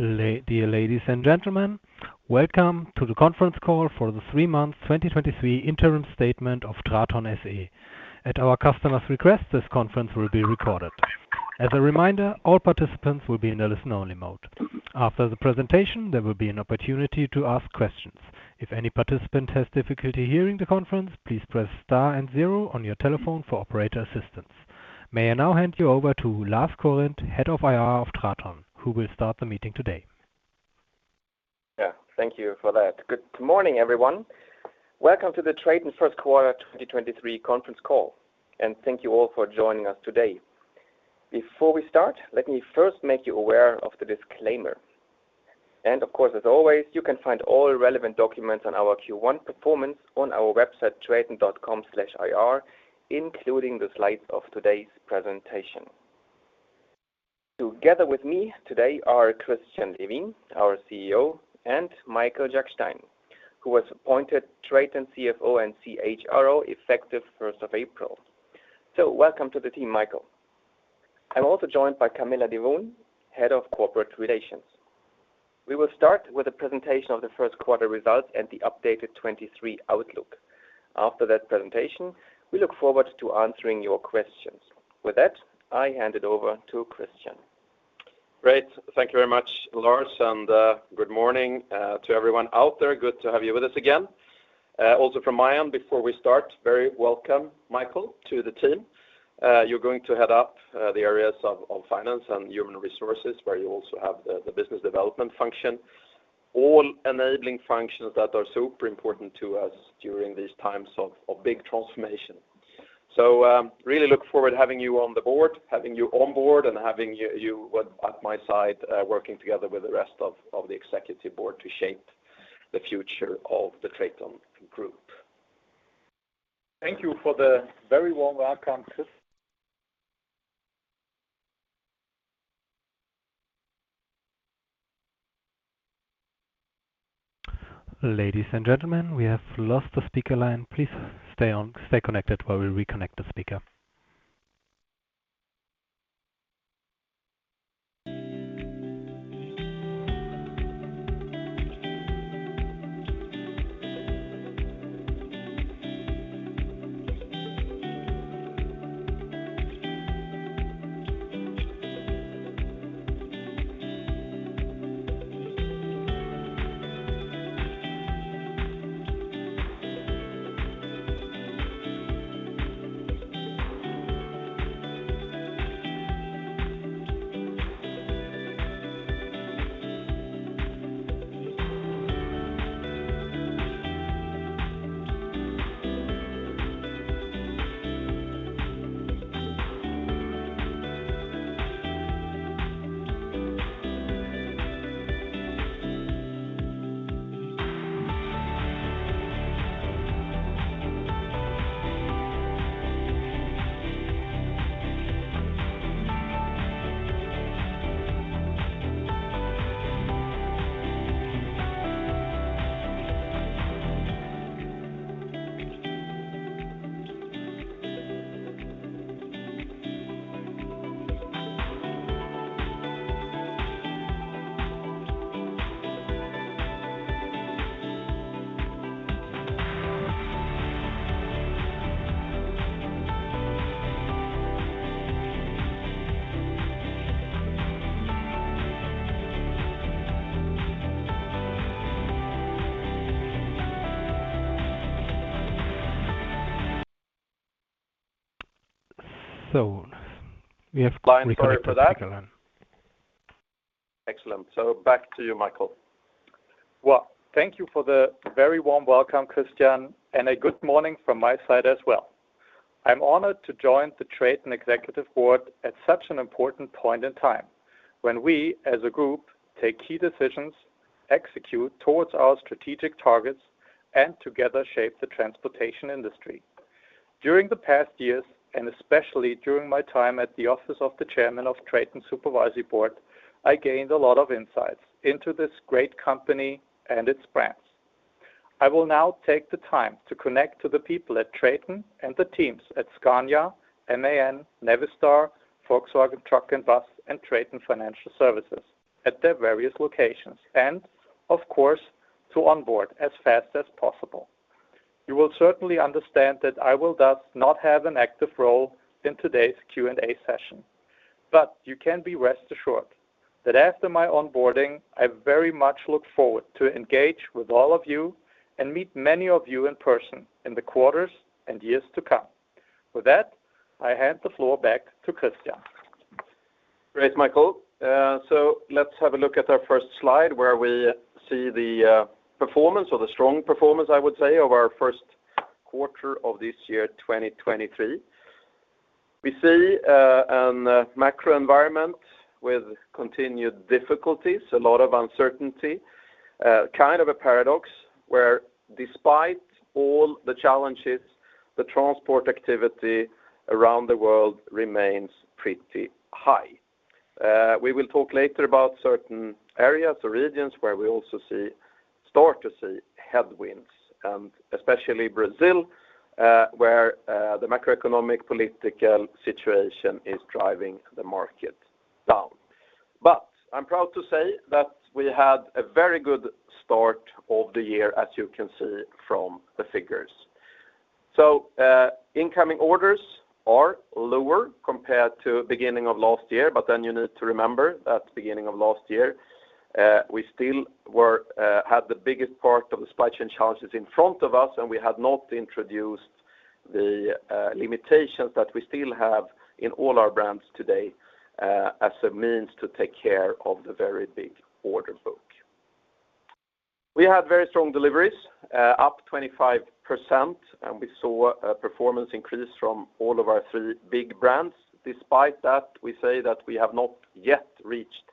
Dear ladies and gentlemen, welcome to the conference call for the three-month 2023 interim statement of TRATON SE. At our customers' request, this conference will be recorded. As a reminder, all participants will be in a listen-only mode. After the presentation, there will be an opportunity to ask questions. If any participant has difficulty hearing the conference, please press star and zero on your telephone for operator assistance. May I now hand you over to Lars Korinth, Head of Investor Relations of TRATON, who will start the meeting today. Yeah. Thank you for that. Good morning, everyone. Welcome to the TRATON first quarter 2023 conference call. Thank you all for joining us today. Before we start, let me first make you aware of the disclaimer. Of course, as always, you can find all relevant documents on our Q1 performance on our website, traton.com/ir, including the slides of today's presentation. Together with me today are Christian Levin, our CEO, and Michael Jackstein, who was appointed TRATON CFO and CHRO effective 1st of April. Welcome to the team, Michael. I'm also joined by Camilla Dewoon, Head of Corporate Relations. We will start with a presentation of the 1st quarter results and the updated 2023 outlook. After that presentation, we look forward to answering your questions. With that, I hand it over to Christian. Great. Thank you very much, Lars. Good morning to everyone out there. Good to have you with us again. Also from my end, before we start, very welcome, Michael, to the team. You're going to head up the areas of finance and human resources, where you also have the business development function, all enabling functions that are super important to us during these times of big transformation. Really look forward having you on the board, having you on board, and having you at my side, working together with the rest of the Executive Board to shape the future of the TRATON GROUP. Thank you for the very warm welcome, Chris. Ladies and gentlemen, we have lost the speaker line. Please stay on, stay connected while we reconnect the speaker. We have reconnected the speaker line. Sorry for that. Excellent. Back to you, Michael. Well, thank you for the very warm welcome, Christian, and a good morning from my side as well. I'm honored to join the TRATON Executive Board at such an important point in time when we, as a group, take key decisions, execute towards our strategic targets, and together shape the transportation industry. During the past years, and especially during my time at the office of the chairman of TRATON Supervisory Board, I gained a lot of insights into this great company and its brands. I will now take the time to connect to the people at TRATON and the teams at Scania, MAN, Navistar, Volkswagen Truck & Bus, and TRATON Financial Services at their various locations. Of course, to onboard as fast as possible. You will certainly understand that I will, thus, not have an active role in today's Q&A session. You can be rest assured that after my onboarding, I very much look forward to engage with all of you and meet many of you in person in the quarters and years to come. With that, I hand the floor back to Christian. Great, Michael. Let's have a look at our first slide, where we see the performance or the strong performance, I would say, of our first quarter of this year, 2023. We see a macro environment with continued difficulties, a lot of uncertainty. Kind of a paradox, where despite all the challenges, the transport activity around the world remains pretty high. We will talk later about certain areas or regions where we also see— Start to see headwinds, especially Brazil, where the macroeconomic political situation is driving the market down. I'm proud to say that we had a very good start of the year, as you can see from the figures. Incoming orders are lower compared to beginning of last year, but then you need to remember that beginning of last year, we still were had the biggest part of the supply chain challenges in front of us, and we had not introduced the limitations that we still have in all our brands today, as a means to take care of the very big order book. We had very strong deliveries, up 25%, and we saw a performance increase from all of our three big brands. Despite that, we say that we have not yet reached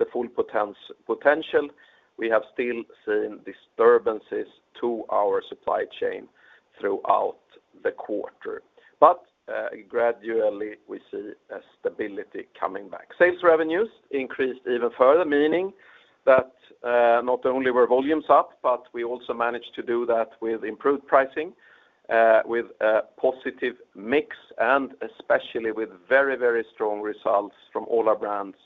the full potential. We have still seen disturbances to our supply chain throughout the quarter. Gradually we see a stability coming back. Sales revenues increased even further, meaning that not only were volumes up, but we also managed to do that with improved pricing, with a positive mix, and especially with very, very strong results from all our brands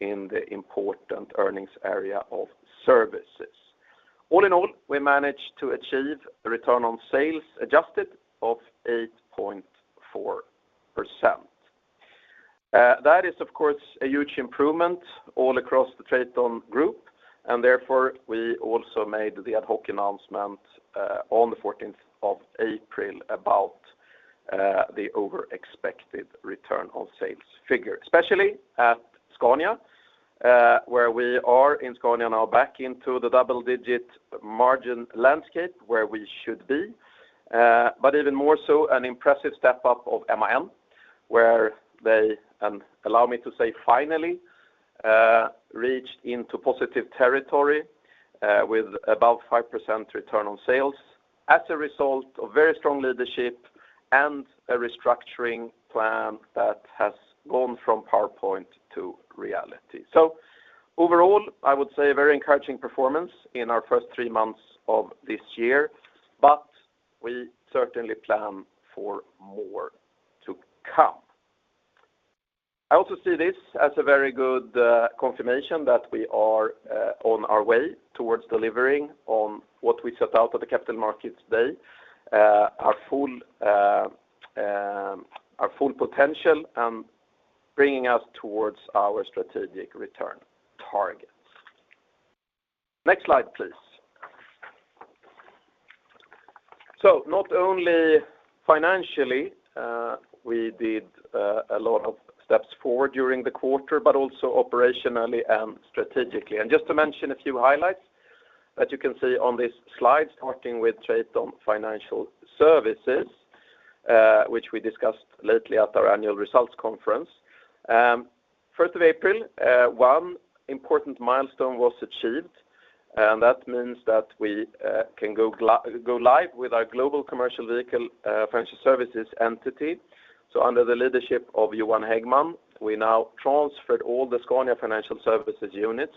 in the important earnings area of services. All in all, we managed to achieve a return on sales adjusted of 8.4%. That is, of course, a huge improvement all across the TRATON GROUP, and therefore, we also made the ad hoc announcement on the 14th of April about the over-expected return on sales figure. Especially at Scania, where we are in Scania now back into the double-digit margin landscape where we should be, but even more so an impressive step-up of MAN, where they, allow me to say finally, reached into positive territory, with about 5% return on sales as a result of very strong leadership and a restructuring plan that has gone from PowerPoint to reality. Overall, I would say a very encouraging performance in our first three months of this year, but we certainly plan for more to come. I also see this as a very good confirmation that we are on our way towards delivering on what we set out at the Capital Markets Day, our full, our full potential and bringing us towards our strategic return targets. Next slide, please. Not only financially, we did a lot of steps forward during the quarter, but also operationally and strategically. Just to mention a few highlights that you can see on this slide, starting with TRATON Financial Services, which we discussed lately at our annual results conference. First of April, one important milestone was achieved, and that means that we can go live with our global commercial vehicle financial services entity. Under the leadership of Johan Haeggman, we now transferred all the Scania Financial Services units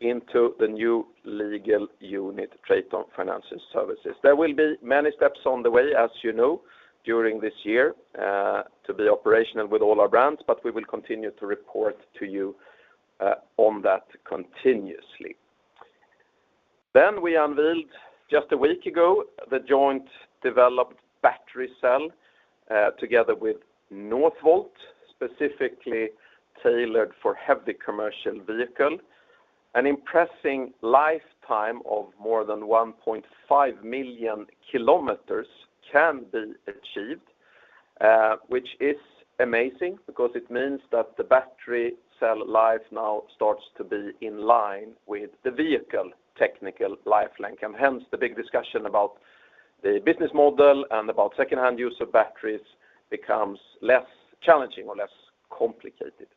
into the new legal unit, TRATON Financial Services. There will be many steps on the way, as you know, during this year, to be operational with all our brands, but we will continue to report to you on that continuously. We unveiled just a week ago the joint developed battery cell together with Northvolt, specifically tailored for heavy commercial vehicle. An impressive lifetime of more than 1.5 million kilometers can be achieved, which is amazing because it means that the battery cell life now starts to be in line with the vehicle technical life length. Hence, the big discussion about the business model and about second-hand use of batteries becomes less challenging or less complicated.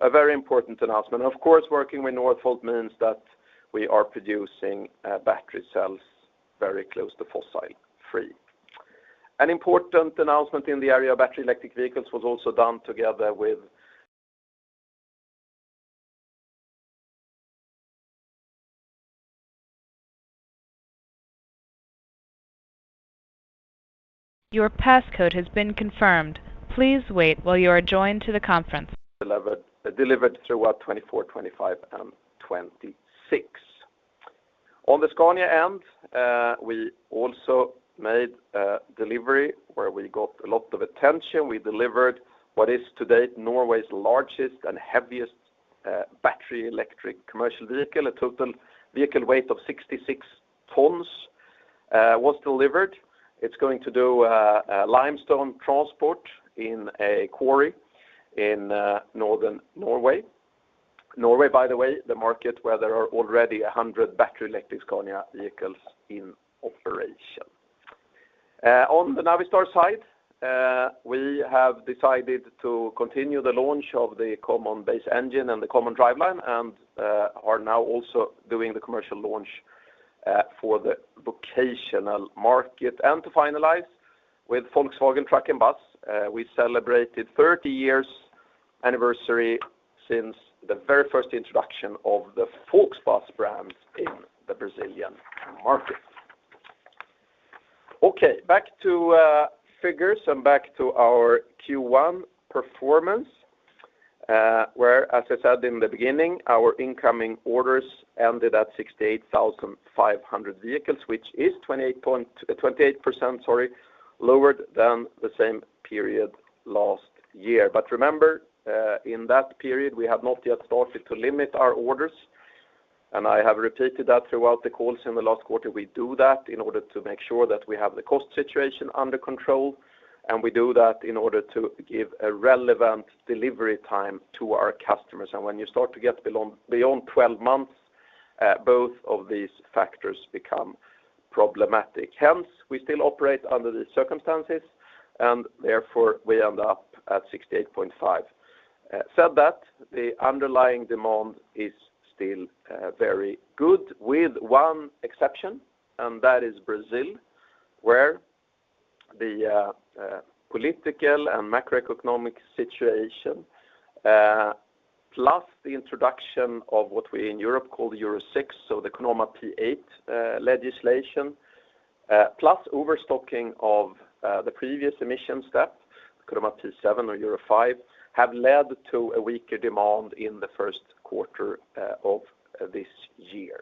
A very important announcement. Of course, working with Northvolt means that we are producing battery cells very close to fossil-free. An important announcement in the area of battery electric vehicles was also done together with. [inaudible] Delivered throughout 2024, 2025, and 2026. On the Scania end, we also made a delivery where we got a lot of attention. We delivered what is to date Norway's largest and heaviest battery electric commercial vehicle. A total vehicle weight of 66 tons was delivered. It's going to do a limestone transport in a quarry in northern Norway. Norway, by the way, the market where there are already 100 battery electric Scania vehicles in operation. On the Navistar side, we have decided to continue the launch of the Common Base Engine and the common driveline and are now also doing the commercial launch for the vocational market. To finalize, with Volkswagen Truck & Bus, we celebrated 30 years Anniversary since the very first introduction of the Volkswagen brand in the Brazilian market. Okay, back to figures and back to our Q1 performance, where, as I said in the beginning, our incoming orders ended at 68,500 vehicles, which is 28%, sorry, lower than the same period last year. Remember, in that period, we have not yet started to limit our orders, and I have repeated that throughout the calls in the last quarter. We do that in order to make sure that we have the cost situation under control, and we do that in order to give a relevant delivery time to our customers. When you start to get beyond 12 months, both of these factors become problematic. Hence, we still operate under these circumstances, and therefore, we end up at 68,500. Said that the underlying demand is still very good with one exception, and that is Brazil, where the political and macroeconomic situation, plus the introduction of what we in Europe call the Euro 6, so the CONAMA P8 legislation, plus overstocking of the previous emission step, CONAMA P7 or Euro 5, have led to a weaker demand in the first quarter of this year.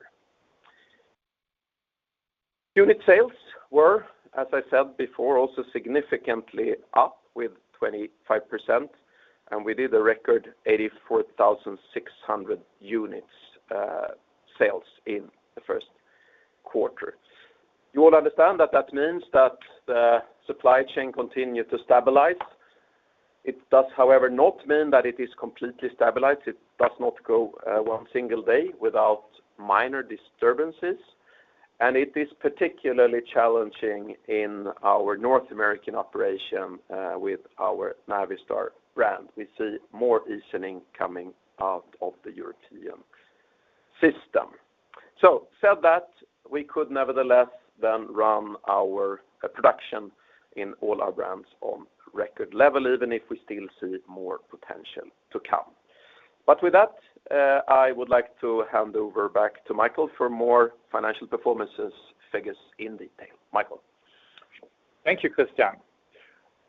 Unit sales were, as I said before, also significantly up with 25%. We did a record 84,600 units sales in the first quarter. You all understand that that means that the supply chain continued to stabilize. It does, however, not mean that it is completely stabilized. It does not go one single day without minor disturbances, and it is particularly challenging in our North American operation with our Navistar brand. We see more easing coming out of the European system. Said that, we could nevertheless then run our production in all our brands on record level, even if we still see more potential to come. With that, I would like to hand over back to Michael for more financial performances figures in detail. Michael. Thank you, Christian.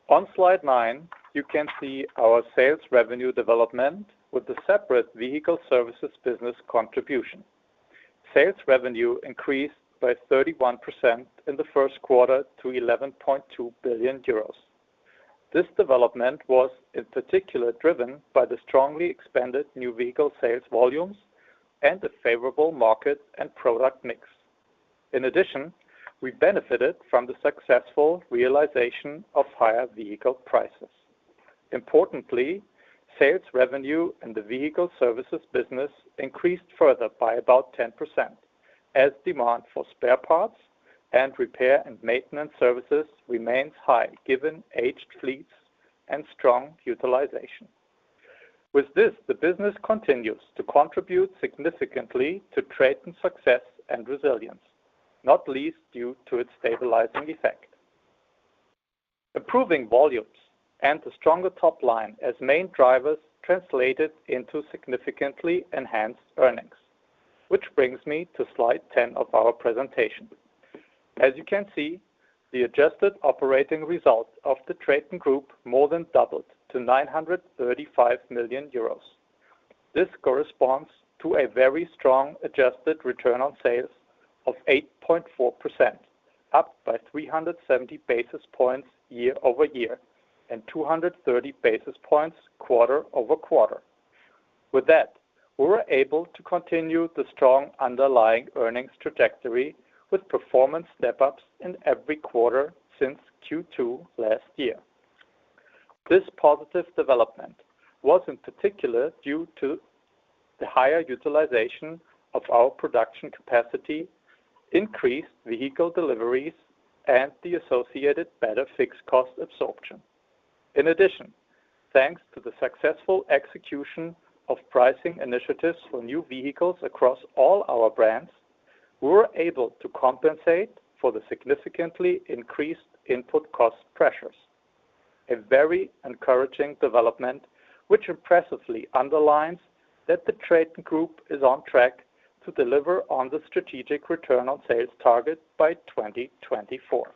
On slide nine, you can see our sales revenue development with the separate vehicle services business contribution. Sales revenue increased by 31% in the first quarter to 11.2 billion euros. This development was in particular driven by the strongly expanded new vehicle sales volumes and a favorable market and product mix. We benefited from the successful realization of higher vehicle prices. Importantly, sales revenue in the vehicle services business increased further by about 10% as demand for spare parts and repair and maintenance services remains high, given aged fleets and strong utilization. With this, the business continues to contribute significantly to TRATON success and resilience, not least due to its stabilizing effect. Improving volumes and a stronger top line as main drivers translated into significantly enhanced earnings. Brings me to slide 10 of our presentation. As you can see, the adjusted operating result of the TRATON GROUP more than doubled to 935 million euros. This corresponds to a very strong adjusted return on sales of 8.4%, up by 370 basis points year-over-year and 230 basis points quarter-over-quarter. With that, we were able to continue the strong underlying earnings trajectory with performance step-ups in every quarter since Q2 last year. This positive development was in particular due to the higher utilization of our production capacity, increased vehicle deliveries, and the associated better fixed cost absorption. In addition, thanks to the successful execution of pricing initiatives for new vehicles across all our brands, we were able to compensate for the significantly increased input cost pressures. A very encouraging development which impressively underlines that the TRATON GROUP is on track to deliver on the strategic return on sales target by 2024.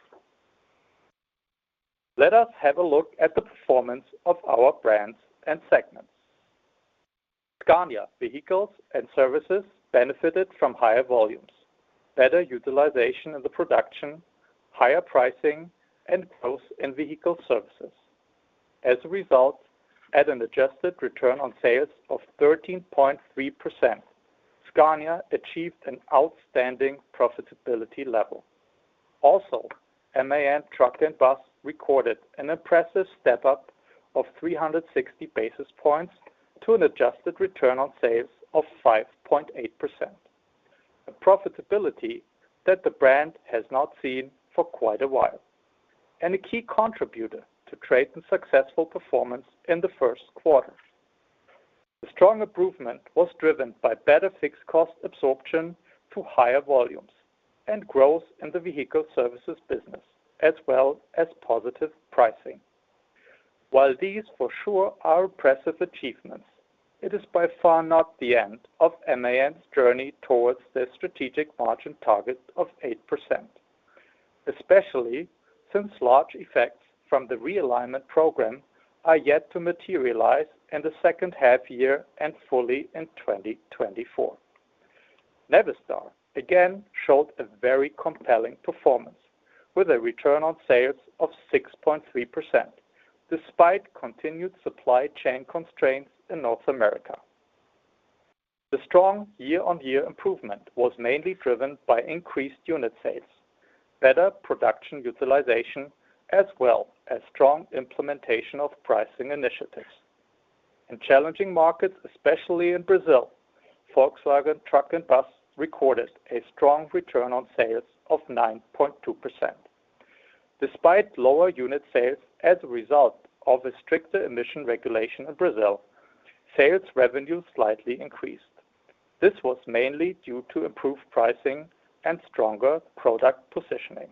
Let us have a look at the performance of our brands and segments. Scania vehicles and services benefited from higher volumes, better utilization of the production, higher pricing, and growth in vehicle services. As a result, at an adjusted return on sales of 13.3%, Scania achieved an outstanding profitability level. Also, MAN Truck & Bus recorded an impressive step-up of 360 basis points to an adjusted return on sales of 5.8%. A profitability that the brand has not seen for quite a while, and a key contributor to TRATON successful performance in the first quarter. The strong improvement was driven by better fixed cost absorption to higher volumes and growth in the vehicle services business, as well as positive pricing. While these for sure are impressive achievements, it is by far not the end of MAN's journey towards their strategic margin target of 8%, especially since large effects from the realignment program are yet to materialize in the second half year and fully in 2024. Navistar again showed a very compelling performance with a return on sales of 6.3%, despite continued supply chain constraints in North America. The strong year-on-year improvement was mainly driven by increased unit sales, better production utilization, as well as strong implementation of pricing initiatives. In challenging markets, especially in Brazil, Volkswagen Truck & Bus recorded a strong return on sales of 9.2%. Despite lower unit sales as a result of a stricter emission regulation in Brazil, sales revenue slightly increased. This was mainly due to improved pricing and stronger product positioning.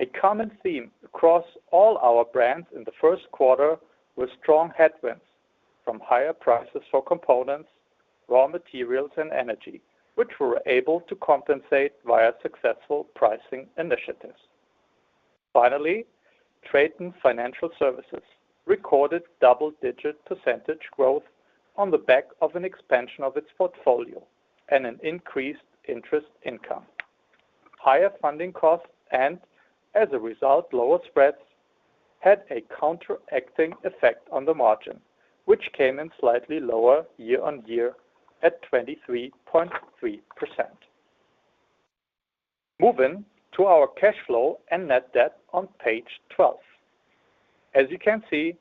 A common theme across all our brands in the first quarter were strong headwinds from higher prices for components, raw materials and energy, which we're able to compensate via successful pricing initiatives. Finally, TRATON Financial Services recorded double-digit percentage growth on the back of an expansion of its portfolio and an increased interest income. Higher funding costs and, as a result, lower spreads, had a counteracting effect on the margin, which came in slightly lower year-on-year at 23.3%. Moving to our cash flow and net debt on page 12. As you can see,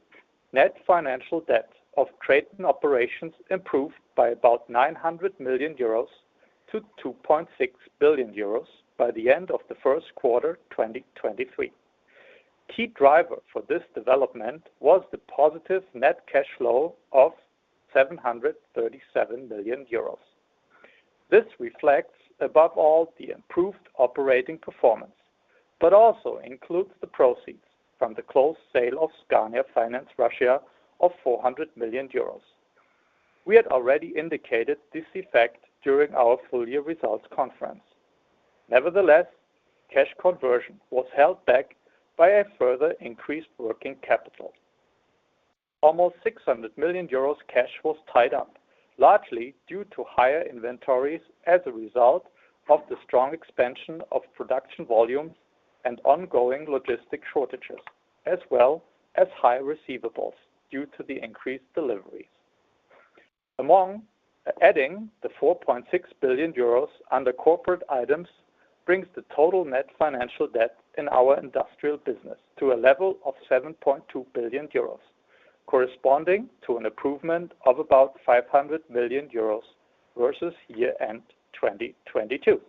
net financial debt of trade and operations improved by about 900 million euros to 26 billion euros by the end of the 1st quarter 2023. Key driver for this development was the positive net cash flow of 737 million euros. This reflects above all the improved operating performance, also includes the proceeds from the close sale of Scania Finance Russia of 400 million euros. We had already indicated this effect during our full year results conference. Nevertheless, cash conversion was held back by a further increased working capital. Almost 600 million euros cash was tied up, largely due to higher inventories as a result of the strong expansion of production volumes and ongoing logistic shortages, as well as high receivables due to the increased deliveries. Among adding the 46 billion euros under corporate items brings the total net financial debt in our industrial business to a level of 7.2 billion euros, corresponding to an improvement of about 500 million euros versus year-end 2022.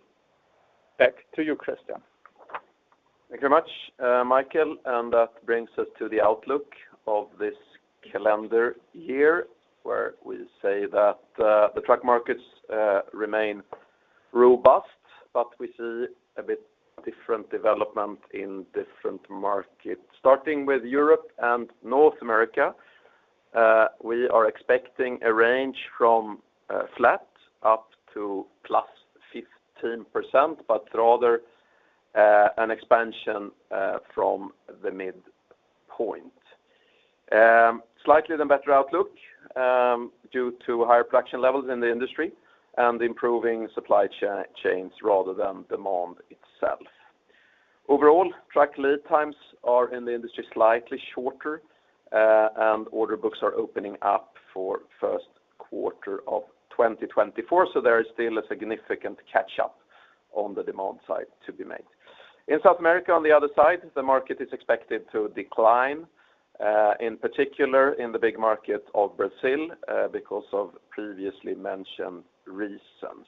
Back to you, Christian. Thank you very much, Michael. That brings us to the outlook of this calendar year where we say that the truck markets remain robust, but we see a bit different development in different markets. Starting with Europe and North America, we are expecting a range from flat up to +15%, but rather an expansion from the midpoint. Slightly the better outlook due to higher production levels in the industry and improving supply chains rather than demand itself. Overall, truck lead times are in the industry slightly shorter, and order books are opening up for first quarter of 2024, so there is still a significant catch up on the demand side to be made. In South America, on the other side, the market is expected to decline, in particular in the big market of Brazil, because of previously mentioned reasons.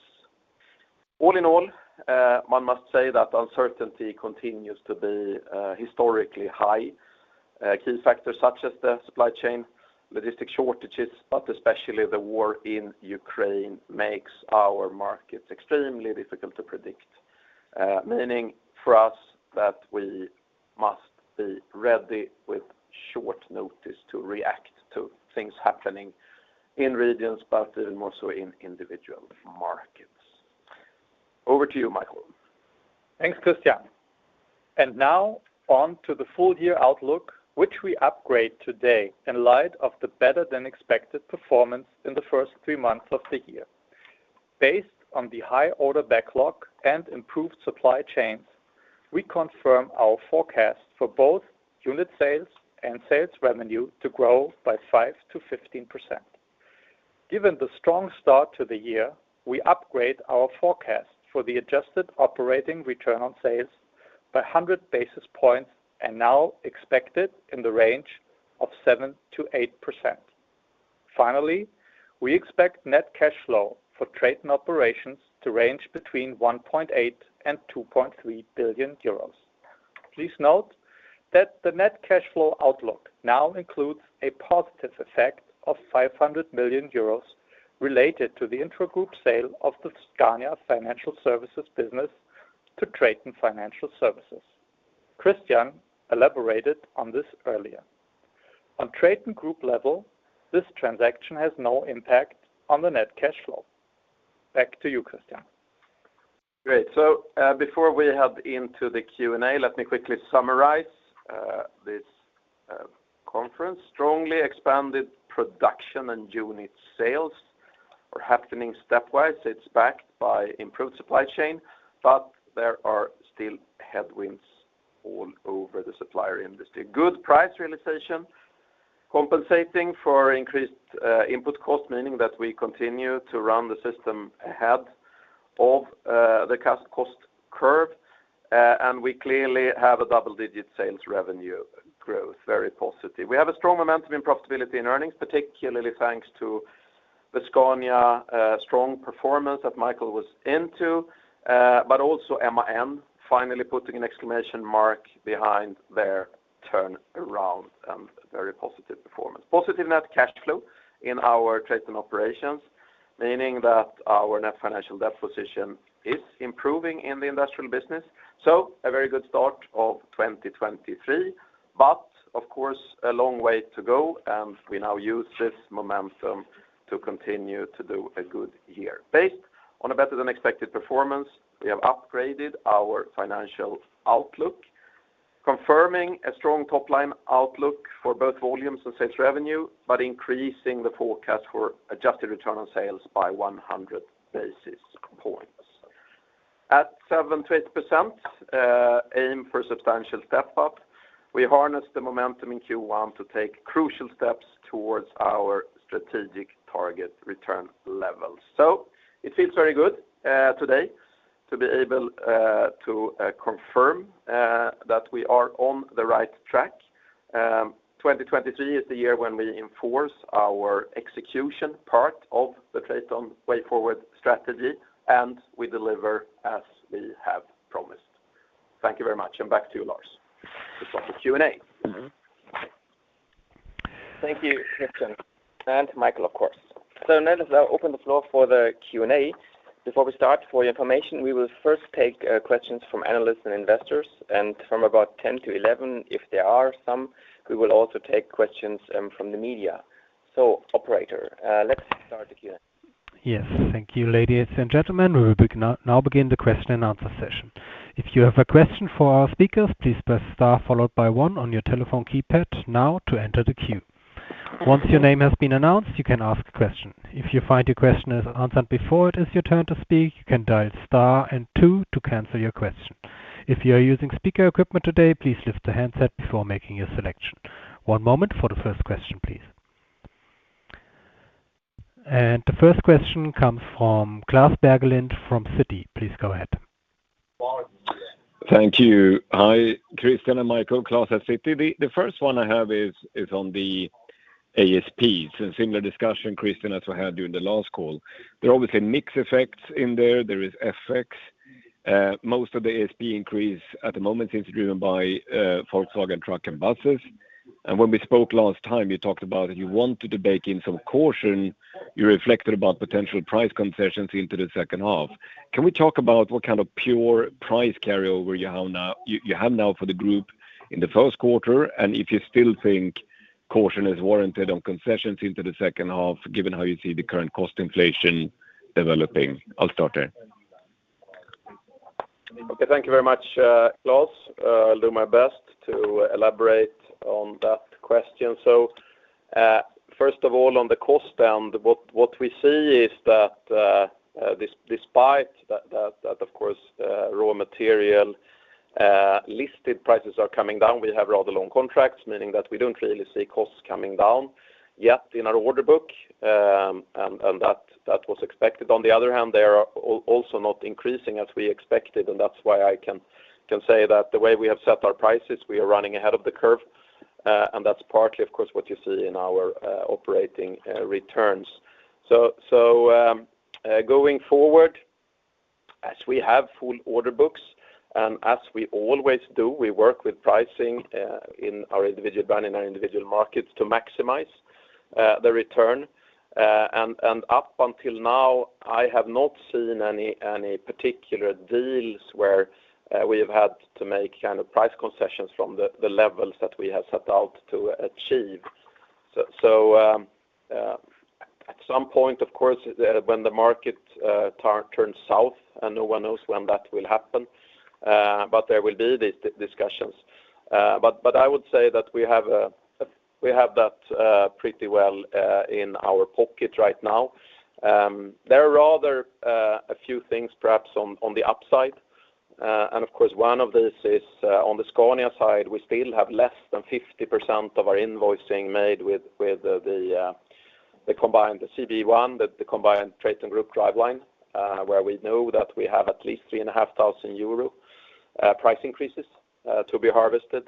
One must say that uncertainty continues to be historically high. Key factors such as the supply chain, logistic shortages, but especially the war in Ukraine, makes our markets extremely difficult to predict. Meaning for us that we must be ready with short notice to react to things happening in regions, but even more so in individual markets. Over to you, Michael. Thanks, Christian. Now on to the full year outlook, which we upgrade today in light of the better than expected performance in the first three months of the year. Based on the high order backlog and improved supply chains, we confirm our forecast for both unit sales and sales revenue to grow by 5% to 15%. Given the strong start to the year, we upgrade our forecast for the adjusted operating return on sales by 100 basis points and now expect it in the range of 7% to 8%. Finally, we expect net cash flow for trade and operations to range between 1.8 billion and 2.3 billion euros. Please note that the net cash flow outlook now includes a positive effect of 500 million euros related to the intra-group sale of the Scania Financial Services business to TRATON Financial Services. Christian elaborated on this earlier. On TRATON GROUP level, this transaction has no impact on the net cash flow. Back to you, Christian. Great. Before we head into the Q&A, let me quickly summarize this conference. Strongly expanded production and unit sales are happening stepwise. It's backed by improved supply chain, but there are still headwinds all over the supplier industry. Good price realization compensating for increased input costs, meaning that we continue to run the system ahead of the cost curve, and we clearly have a double-digit sales revenue growth. Very positive. We have a strong momentum in profitability and earnings, particularly thanks to the Scania strong performance that Michael was into, but also MAN finally putting an exclamation mark behind their turnaround and very positive performance. Positive net cash flow in our TRATON operations, meaning that our net financial debt position is improving in the industrial business. A very good start of 2023, but of course, a long way to go, and we now use this momentum to continue to do a good year. Based on a better than expected performance, we have upgraded our financial outlook, confirming a strong top-line outlook for both volumes and sales revenue, but increasing the forecast for adjusted return on sales by 100 basis points. At 7% to 8%, aim for substantial step-up. We harness the momentum in Q1 to take crucial steps towards our strategic target return levels. It feels very good today to be able to confirm that we are on the right track. 2023 is the year when we enforce our execution part of the TRATON Way Forward strategy, and we deliver as we have promised. Thank you very much. Back to you, Lars. Let's start the Q&A. Mm-hmm. Thank you, Christian, and Michael, of course. Let us now open the floor for the Q&A. Before we start, for your information, we will first take questions from analysts and investors, and from about 10:00 A.M.-11:00 A.M., if there are some, we will also take questions from the media. Operator, let's start the Q&A. Yes. Thank you, ladies and gentlemen. We will now begin the question-and-answer session. If you have a question for our speakers, please press star followed by one on your telephone keypad now to enter the queue. Once your name has been announced, you can ask a question. If you find your question is answered before it is your turn to speak, you can dial star and two to cancel your question. If you are using speaker equipment today, please lift the handset before making your selection. One moment for the first question, please. The first question comes from Klas Bergelind from Citi. Please go ahead. Thank you. Hi, Christian and Michael. Klas at Citi. The first one I have is on the ASP. Similar discussion, Christian, as we had during the last call. There are obviously mix effects in there. There is FX. Most of the ASP increase at the moment is driven by, Volkswagen Truck & Bus. When we spoke last time, you talked about that you wanted to bake in some caution. You reflected about potential price concessions into the second half. Can we talk about what kind of pure price carryover you have now for the group in the first quarter, and if you still think caution is warranted on concessions into the second half, given how you see the current cost inflation developing? I'll start there. Okay. Thank you very much, Klas. I'll do my best to elaborate on that question. First of all, on the cost end, what we see is that despite that, of course, raw material listed prices are coming down, we have rather long contracts, meaning that we don't really see costs coming down yet in our order book, and that was expected. On the other hand, they are also not increasing as we expected, and that's why I can say that the way we have set our prices, we are running ahead of the curve, and that's partly, of course, what you see in our operating returns. Going forward, as we have full order books, and as we always do, we work with pricing in our individual brand, in our individual markets to maximize the return. Up until now, I have not seen any particular deals where we have had to make kind of price concessions from the levels that we have set out to achieve. At some point, of course, when the market turns south, and no one knows when that will happen, but there will be these discussions. I would say that we have that pretty well in our pocket right now. There are rather a few things perhaps on the upside. One of these is on the Scania side, we still have less than 50% of our invoicing made with the combined CBE1, the combined TRATON GROUP driveline, where we know that we have at least 3,500 euro price increases to be harvested.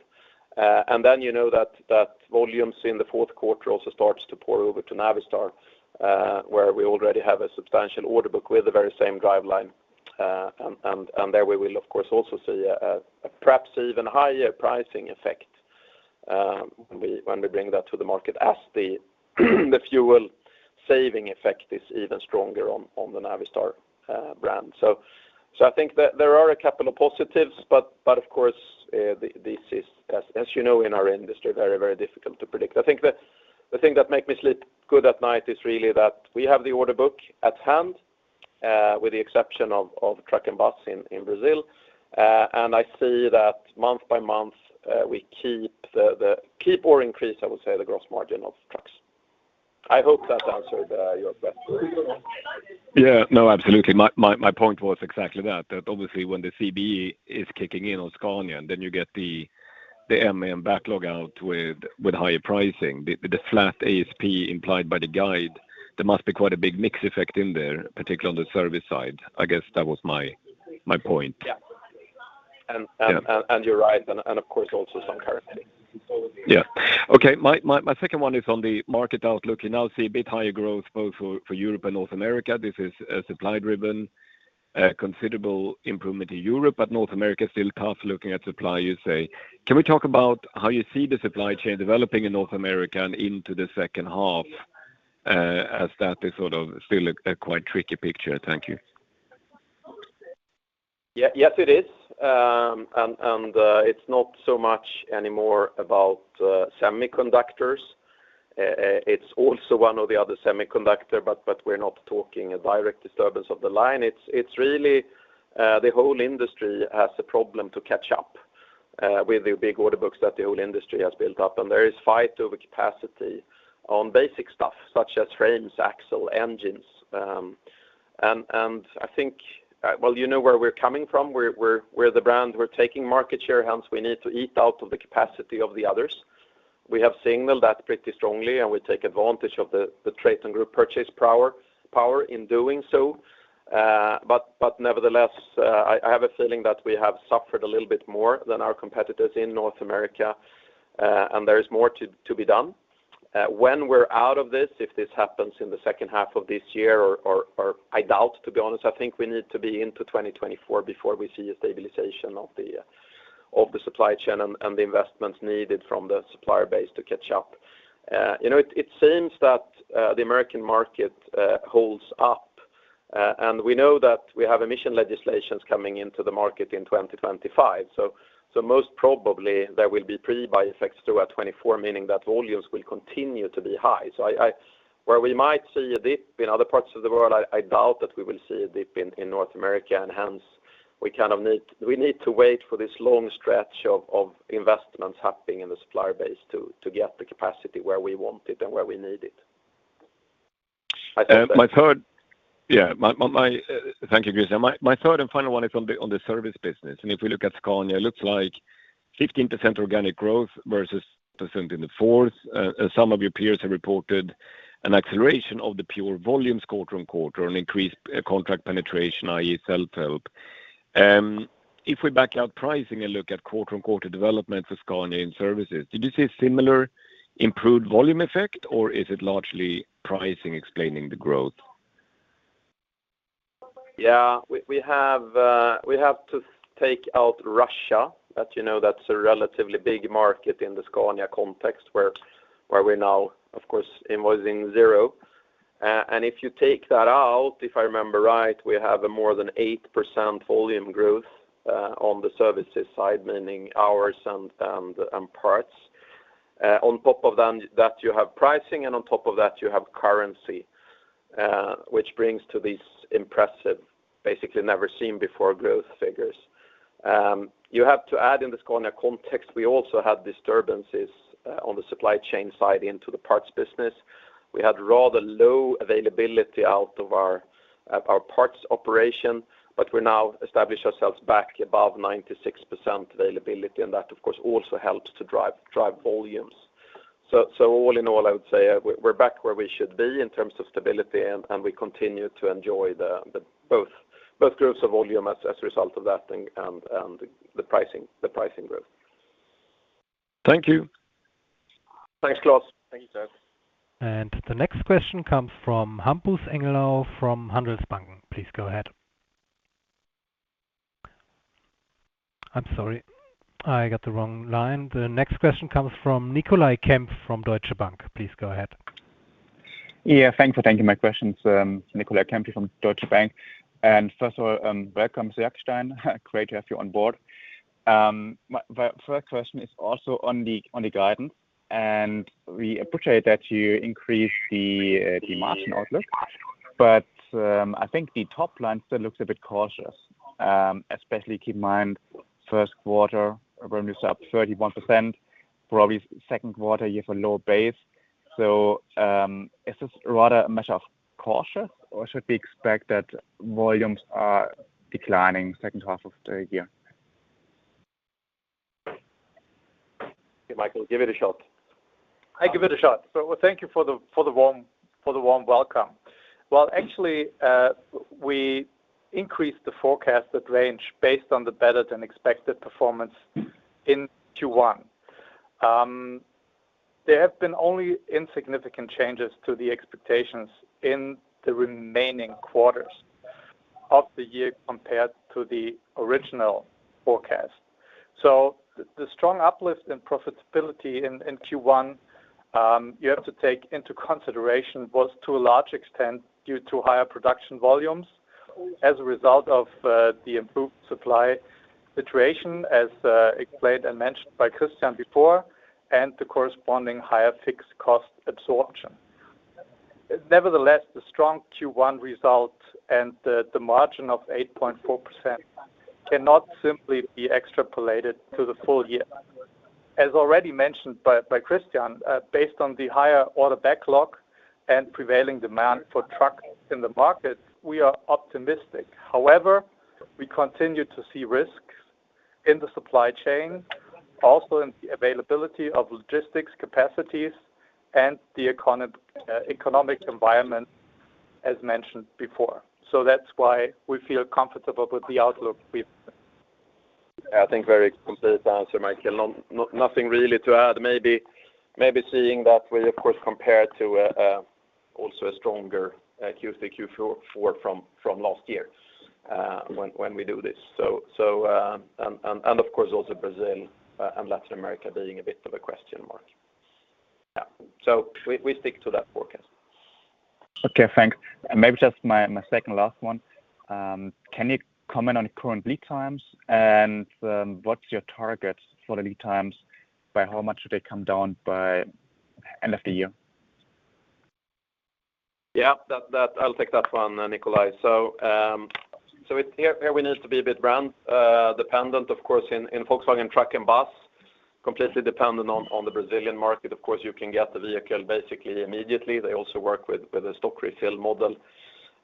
You know that volumes in the fourth quarter also starts to pour over to Navistar, where we already have a substantial order book with the very same driveline. There we will of course also see a perhaps even higher pricing effect when we bring that to the market as the fuel saving effect is even stronger on the Navistar brand. I think that there are a couple of positives, but of course, this is as you know, in our industry, very difficult to predict. I think the thing that make me sleep good at night is really that we have the order book at hand, with the exception of truck and bus in Brazil. I see that month by month, we keep or increase, I would say the gross margin of trucks. I hope that answered your question. No, absolutely. My, my point was exactly that obviously when the CBE is kicking in on Scania and then you get the MAN backlog out with higher pricing, the flat ASP implied by the guide, there must be quite a big mix effect in there, particularly on the service side. I guess that was my point. Yeah. Yeah. You're right and of course also some currency. Okay. My second one is on the market outlook. You now see a bit higher growth both for Europe and North America. This is supply driven, considerable improvement in Europe, but North America still tough looking at supply, you say. Can we talk about how you see the supply chain developing in North America and into the second half, as that is sort of still a quite tricky picture. Thank you. Yes, it is. It's not so much anymore about semiconductors. It's also one or the other semiconductor, but we're not talking a direct disturbance of the line. It's really the whole industry has a problem to catch up with the big order books that the whole industry has built up. There is fight over capacity on basic stuff such as frames, axle, engines, and I think, well, you know where we're coming from. We're the brand, we're taking market share, hence we need to eat out of the capacity of the others. We have signaled that pretty strongly, and we take advantage of the TRATON GROUP purchase power in doing so. Nevertheless, I have a feeling that we have suffered a little bit more than our competitors in North America. There is more to be done. When we're out of this, if this happens in the second half of this year, or I doubt to be honest, I think we need to be into 2024 before we see a stabilization of the supply chain and the investments needed from the supplier base to catch up. You know, it seems that the American market holds up. We know that we have emission legislations coming into the market in 2025. Most probably there will be pre-buy effects through at 2024, meaning that volumes will continue to be high. Where we might see a dip in other parts of the world, I doubt that we will see a dip in North America. Hence we kind of need to wait for this long stretch of investments happening in the supplier base to get the capacity where we want it and where we need it. I think that. Thank you, Christian. My third and final one is on the service business. If we look at Scania, it looks like 15% organic growth versus [inaudible] percent in the 4th. Some of your peers have reported an acceleration of the pure volumes quarter-on-quarter, an increased contract penetration, i.e. self-help. If we back out pricing and look at quarter-on-quarter development for Scania in services, did you see similar improved volume effect or is it largely pricing explaining the growth? Yeah. We have to take out Russia, as you know that's a relatively big market in the Scania context where we're now of course invoicing 0. If you take that out, if I remember right, we have a more than 8% volume growth on the services side, meaning hours and parts. On top of them, that you have pricing and on top of that you have currency, which brings to these impressive, basically never seen before growth figures. You have to add in the Scania context, we also had disturbances on the supply chain side into the parts business. We had rather low availability out of our parts operation, but we now establish ourselves back above 96% availability, and that of course also helps to drive volumes. All in all, I would say, we're back where we should be in terms of stability and we continue to enjoy the both growth of volume as a result of that and the pricing growth. Thank you. Thanks, Klas. Thank you, Klas. The next question comes from Hampus Engellau from Handelsbanken. Please go ahead. I'm sorry. I got the wrong line. The next question comes from Nicolai Kempf from Deutsche Bank. Please go ahead. Yeah, thanks for taking my questions. Nicolai Kempf from Deutsche Bank. First of all, welcome, Jackstein. Great to have you on board. My first question is also on the guidance, and we appreciate that you increased the margin outlook. I think the top line still looks a bit cautious, especially keep in mind first quarter revenues up 31%, probably second quarter you have a lower base. Is this rather a measure of cautious or should we expect that volumes are declining second half of the year? Okay, Michael, give it a shot. I give it a shot. Thank you for the warm welcome. Well, actually, we increased the forecasted range based on the better-than-expected performance in Q1. There have been only insignificant changes to the expectations in the remaining quarters of the year compared to the original forecast. The strong uplift in profitability in Q1, you have to take into consideration was to a large extent due to higher production volumes as a result of the improved supply situation, as explained and mentioned by Christian before, and the corresponding higher fixed cost absorption. Nevertheless, the strong Q1 result and the margin of 8.4% cannot simply be extrapolated to the full year. As already mentioned by Christian, based on the higher order backlog and prevailing demand for trucks in the market, we are optimistic. However, we continue to see risks in the supply chain, also in the availability of logistics capacities and the economic environment as mentioned before. That's why we feel comfortable with the outlook we've— I think very complete answer, Michael. Nothing really to add. Maybe seeing that we of course compare to also a stronger Q3, Q4 from last year when we do this. And of course, also Brazil and Latin America being a bit of a question mark. Yeah. We stick to that forecast. Okay, thanks. Maybe just my second last one. Can you comment on current lead times and what's your target for the lead times? By how much do they come down by end of the year? Yeah. That, I'll take that one, Nicolai. here we need to be a bit brand dependent. Of course, in Volkswagen Truck & Bus, completely dependent on the Brazilian market. Of course, you can get the vehicle basically immediately. They also work with a stock refill model.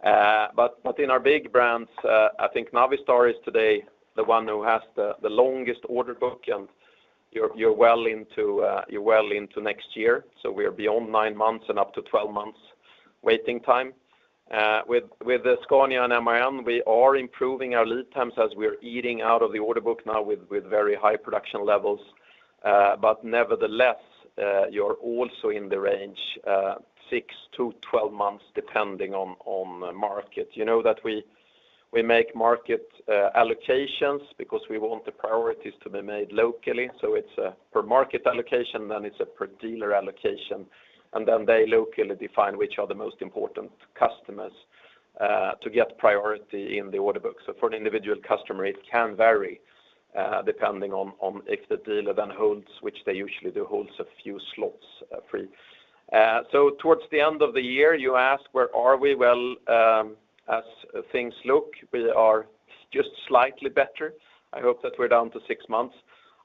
in our big brands, I think Navistar is today the one who has the longest order book, and you're well into next year. We are beyond nine months and up to 12 months waiting time. with Scania and MAN, we are improving our lead times as we are eating out of the order book now with very high production levels. Nevertheless, you're also in the range 6-12 months, depending on market. You know that we make market allocations because we want the priorities to be made locally. It's a per market allocation, then it's a per dealer allocation, and then they locally define which are the most important customers to get priority in the order book. For an individual customer, it can vary depending on if the dealer then holds, which they usually do, holds a few slots free. Towards the end of the year, you ask, where are we? Well, as things look, we are just slightly better. I hope that we're down to six months.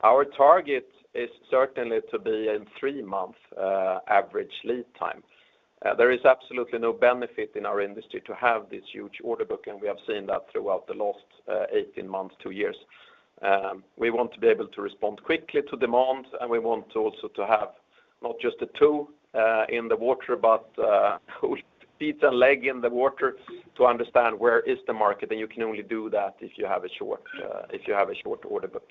Our target is certainly to be in three-month average lead time. There is absolutely no benefit in our industry to have this huge order book, and we have seen that throughout the last 18 months, two years. We want to be able to respond quickly to demand, and we want also to have not just a toe in the water, but feet and leg in the water to understand where is the market, and you can only do that if you have a short, if you have a short order book.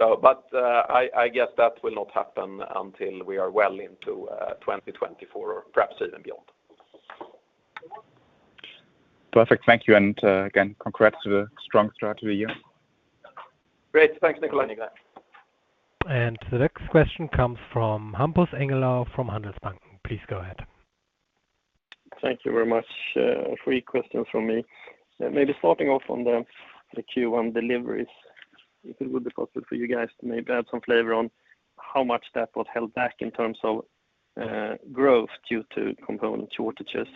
I guess that will not happen until we are well into 2024 or perhaps even beyond. Perfect. Thank you. Again, congrats to the strong start to the year. Great. Thanks, Nicolai. Thanks. The next question comes from Hampus Engellau from Handelsbanken. Please go ahead. Thank you very much. Three questions from me. Maybe starting off on the Q1 deliveries, if it would be possible for you guys to maybe add some flavor on how much that was held back in terms of growth due to component shortages.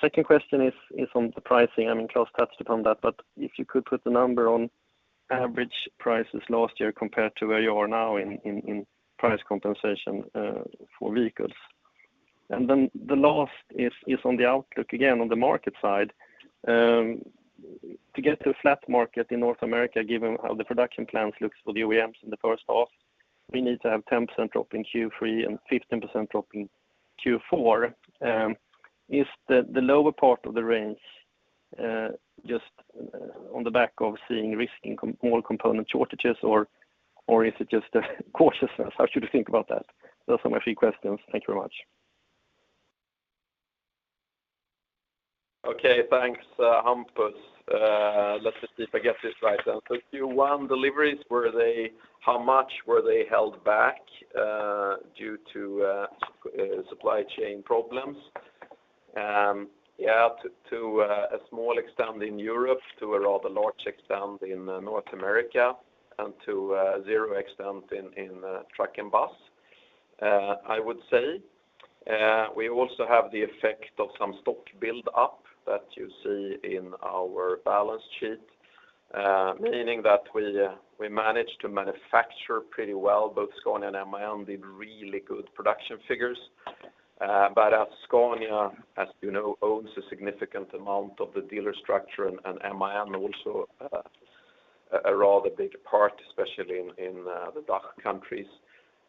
Second question is on the pricing. I mean, Klas touched upon that, but if you could put the number on average prices last year compared to where you are now in, in price compensation for vehicles. Then the last is on the outlook, again, on the market side. To get to a flat market in North America, given how the production plans looks for the OEMs in the first half, we need to have 10% drop in Q3 and 15% drop in Q4. is the lower part of the range, just on the back of seeing risk in more component shortages or is it just a cautiousness? How should we think about that? Those are my three questions. Thank you very much. Okay. Thanks, Hampus. Let's just see if I get this right then. Q1 deliveries, were they how much were they held back due to supply chain problems? Yeah, to a small extent in Europe, to a rather large extent in North America, and to zero extent in truck and bus, I would say. We also have the effect of some stock build-up that you see in our balance sheet, meaning that we managed to manufacture pretty well, both Scania and MAN did really good production figures. As Scania, as you know, owns a significant amount of the dealer structure and MAN also, a rather big part, especially in the DACH countries.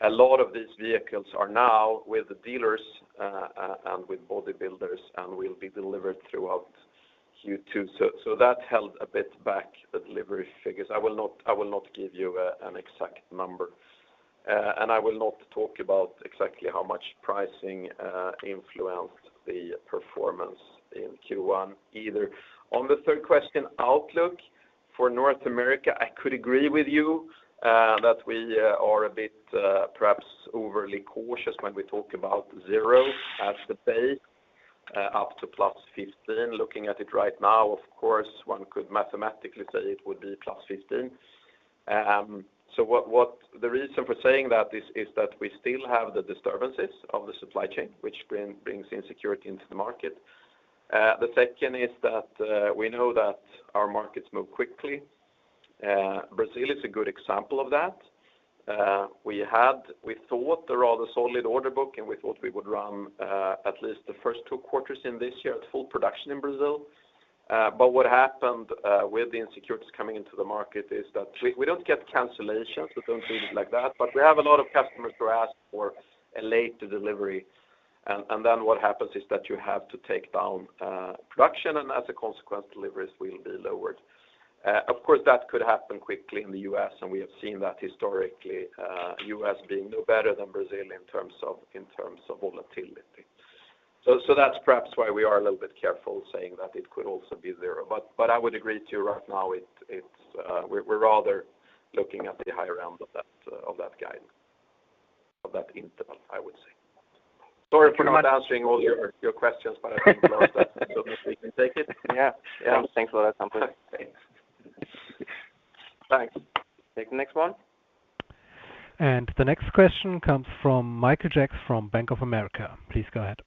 A lot of these vehicles are now with the dealers, and with body builders, and will be delivered throughout Q2. That held a bit back the delivery figures. I will not give you an exact number. I will not talk about exactly how much pricing influenced the performance in Q1 either. On the 3rd question, outlook for North America, I could agree with you that we are a bit perhaps overly cautious when we talk about 0% as the base up to +15%. Looking at it right now, of course, one could mathematically say it would be +15%. The reason for saying that is that we still have the disturbances of the supply chain, which brings insecurity into the market. The second is that we know that our markets move quickly. Brazil is a good example of that. We had, we thought a rather solid order book, and we thought we would run at least the first two quarters in this year at full production in Brazil. What happened with the insecurities coming into the market is that we don't get cancellations. We don't see it like that. We have a lot of customers who ask for a later delivery. Then what happens is that you have to take down production, and as a consequence, deliveries will be lowered. Of course, that could happen quickly in the U.S., and we have seen that historically, U.S. being no better than Brazil in terms of volatility. That's perhaps why we are a little bit careful saying that it could also be zero. I would agree to you right now, it's we're rather looking at the higher end of that guide, of that interval, I would say. Sorry for not answering all your questions, but I don't know if that's something we can take it. Yeah. Yeah. Thanks a lot, Hampus. Thanks. Take the next one. The next question comes from Michael Jacks from Bank of America. Please go ahead.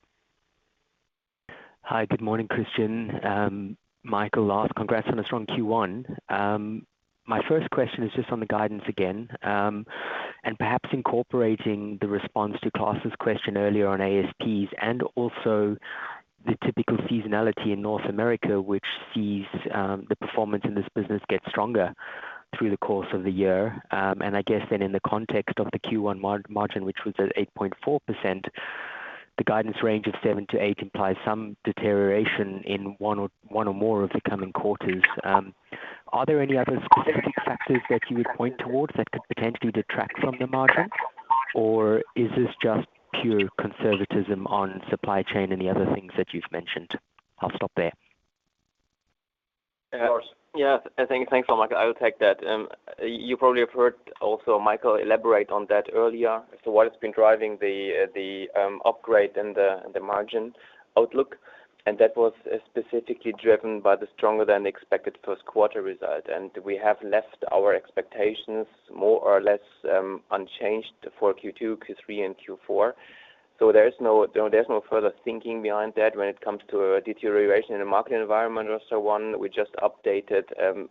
Hi. Good morning, Christian, Michael, Lars. Congrats on a strong Q1. My first question is just on the guidance again, perhaps incorporating the response to Klas' question earlier on ASPs and also the typical seasonality in North America, which sees the performance in this business get stronger through the course of the year. I guess in the context of the Q1 margin, which was at 8.4%, the guidance range of 7%-8% implies some deterioration in one or more of the coming quarters. Are there any other specific factors that you would point towards that could potentially detract from the margin? Is this just pure conservatism on supply chain and the other things that you've mentioned? I'll stop there. Of course. Yeah. Thanks. Thanks, Michael. I will take that. You probably have heard also Michael elaborate on that earlier as to what has been driving the upgrade and the margin outlook, and that was specifically driven by the stronger than expected first quarter result. We have left our expectations more or less unchanged for Q2, Q3, and Q4. There's no further thinking behind that when it comes to a deterioration in the market environment or so on. We just updated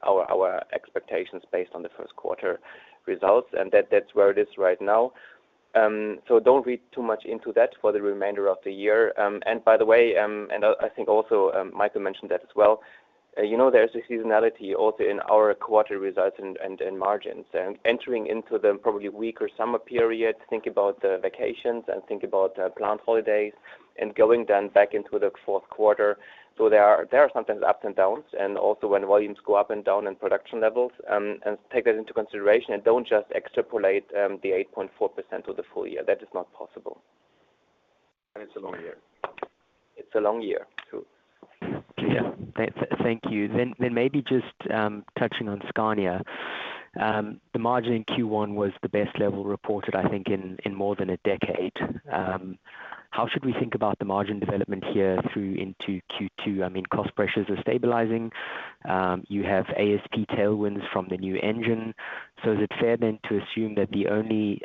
our expectations based on the first quarter results, and that's where it is right now. Don't read too much into that for the remainder of the year. By the way, I think also, Michael mentioned that as well, you know, there's a seasonality also in our quarter results and margins. Entering into the probably weaker summer period, think about the vacations and think about plant holidays and going then back into the fourth quarter. There are sometimes ups and downs and also when volumes go up and down in production levels, take that into consideration and don't just extrapolate the 8.4% to the full year. That is not possible. It's a long year. It's a long year, too. Thank you. Maybe just touching on Scania. The margin in Q1 was the best level reported, I think in more than a decade. How should we think about the margin development here through into Q2? I mean, cost pressures are stabilizing. You have ASP tailwinds from the new engine. Is it fair then to assume that the only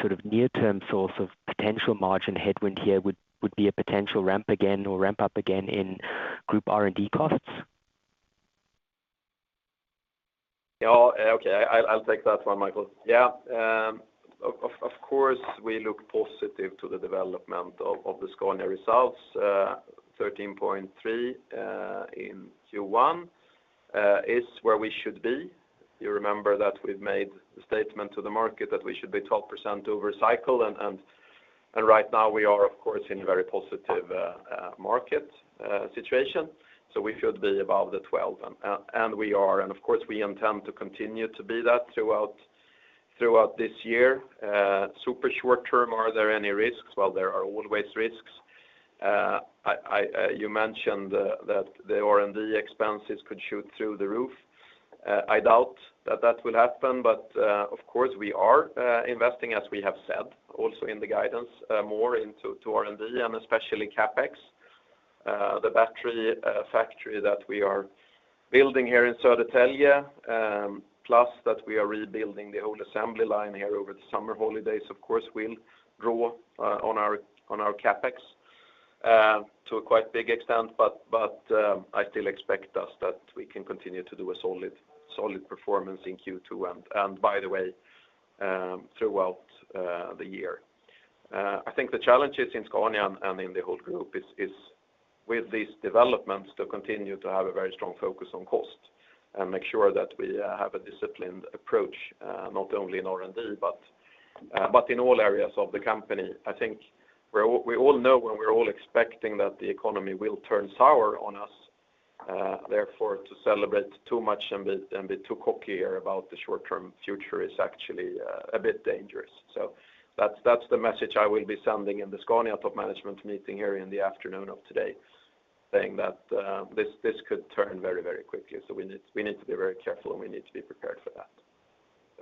sort of near-term source of potential margin headwind here would be a potential ramp again or ramp up again in Group R&D costs? Yeah. Okay. I'll take that one, Michael. Yeah. Of course, we look positive to the development of the Scania results. 13.3% in Q1 is where we should be. You remember that we've made the statement to the market that we should be 12% over cycle and right now we are, of course, in very positive market situation. We should be above the 12%, and we are. Of course, we intend to continue to be that throughout this year. Super short term, are there any risks? Well, there are always risks. You mentioned that the R&D expenses could shoot through the roof. I doubt that that will happen, of course, we are investing, as we have said, also in the guidance, more into R&D and especially CapEx. The battery factory that we are building here in Södertälje, plus that we are rebuilding the whole assembly line here over the summer holidays, of course, will draw on our CapEx. To a quite big extent, but I still expect us that we can continue to do a solid performance in Q2, by the way, throughout the year. I think the challenges in Scania and in the whole group is with these developments to continue to have a very strong focus on cost and make sure that we have a disciplined approach, not only in R&D, but in all areas of the company. I think we all know and we're all expecting that the economy will turn sour on us, therefore, to celebrate too much and be too cocky about the short-term future is actually a bit dangerous. That's the message I will be sending in the Scania top management meeting here in the afternoon of today, saying that this could turn very, very quickly. We need to be very careful, and we need to be prepared for that.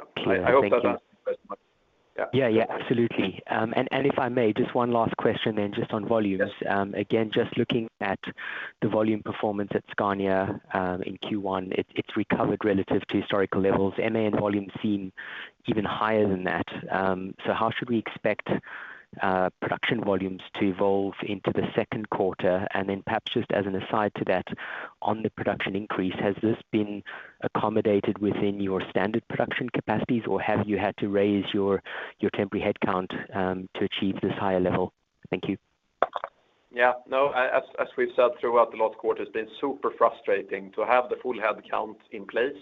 Okay. Thank you. I hope that answers your question. Yeah. Yeah. Absolutely. If I may, just one last question just on volumes. Yes. Again, just looking at the volume performance at Scania in Q1, it's recovered relative to historical levels. MAN volumes seem even higher than that. How should we expect production volumes to evolve into the second quarter? Perhaps just as an aside to that, on the production increase, has this been accommodated within your standard production capacities, or have you had to raise your temporary headcount to achieve this higher level? Thank you. Yeah. No, as we've said throughout the last quarter, it's been super frustrating to have the full headcount in place.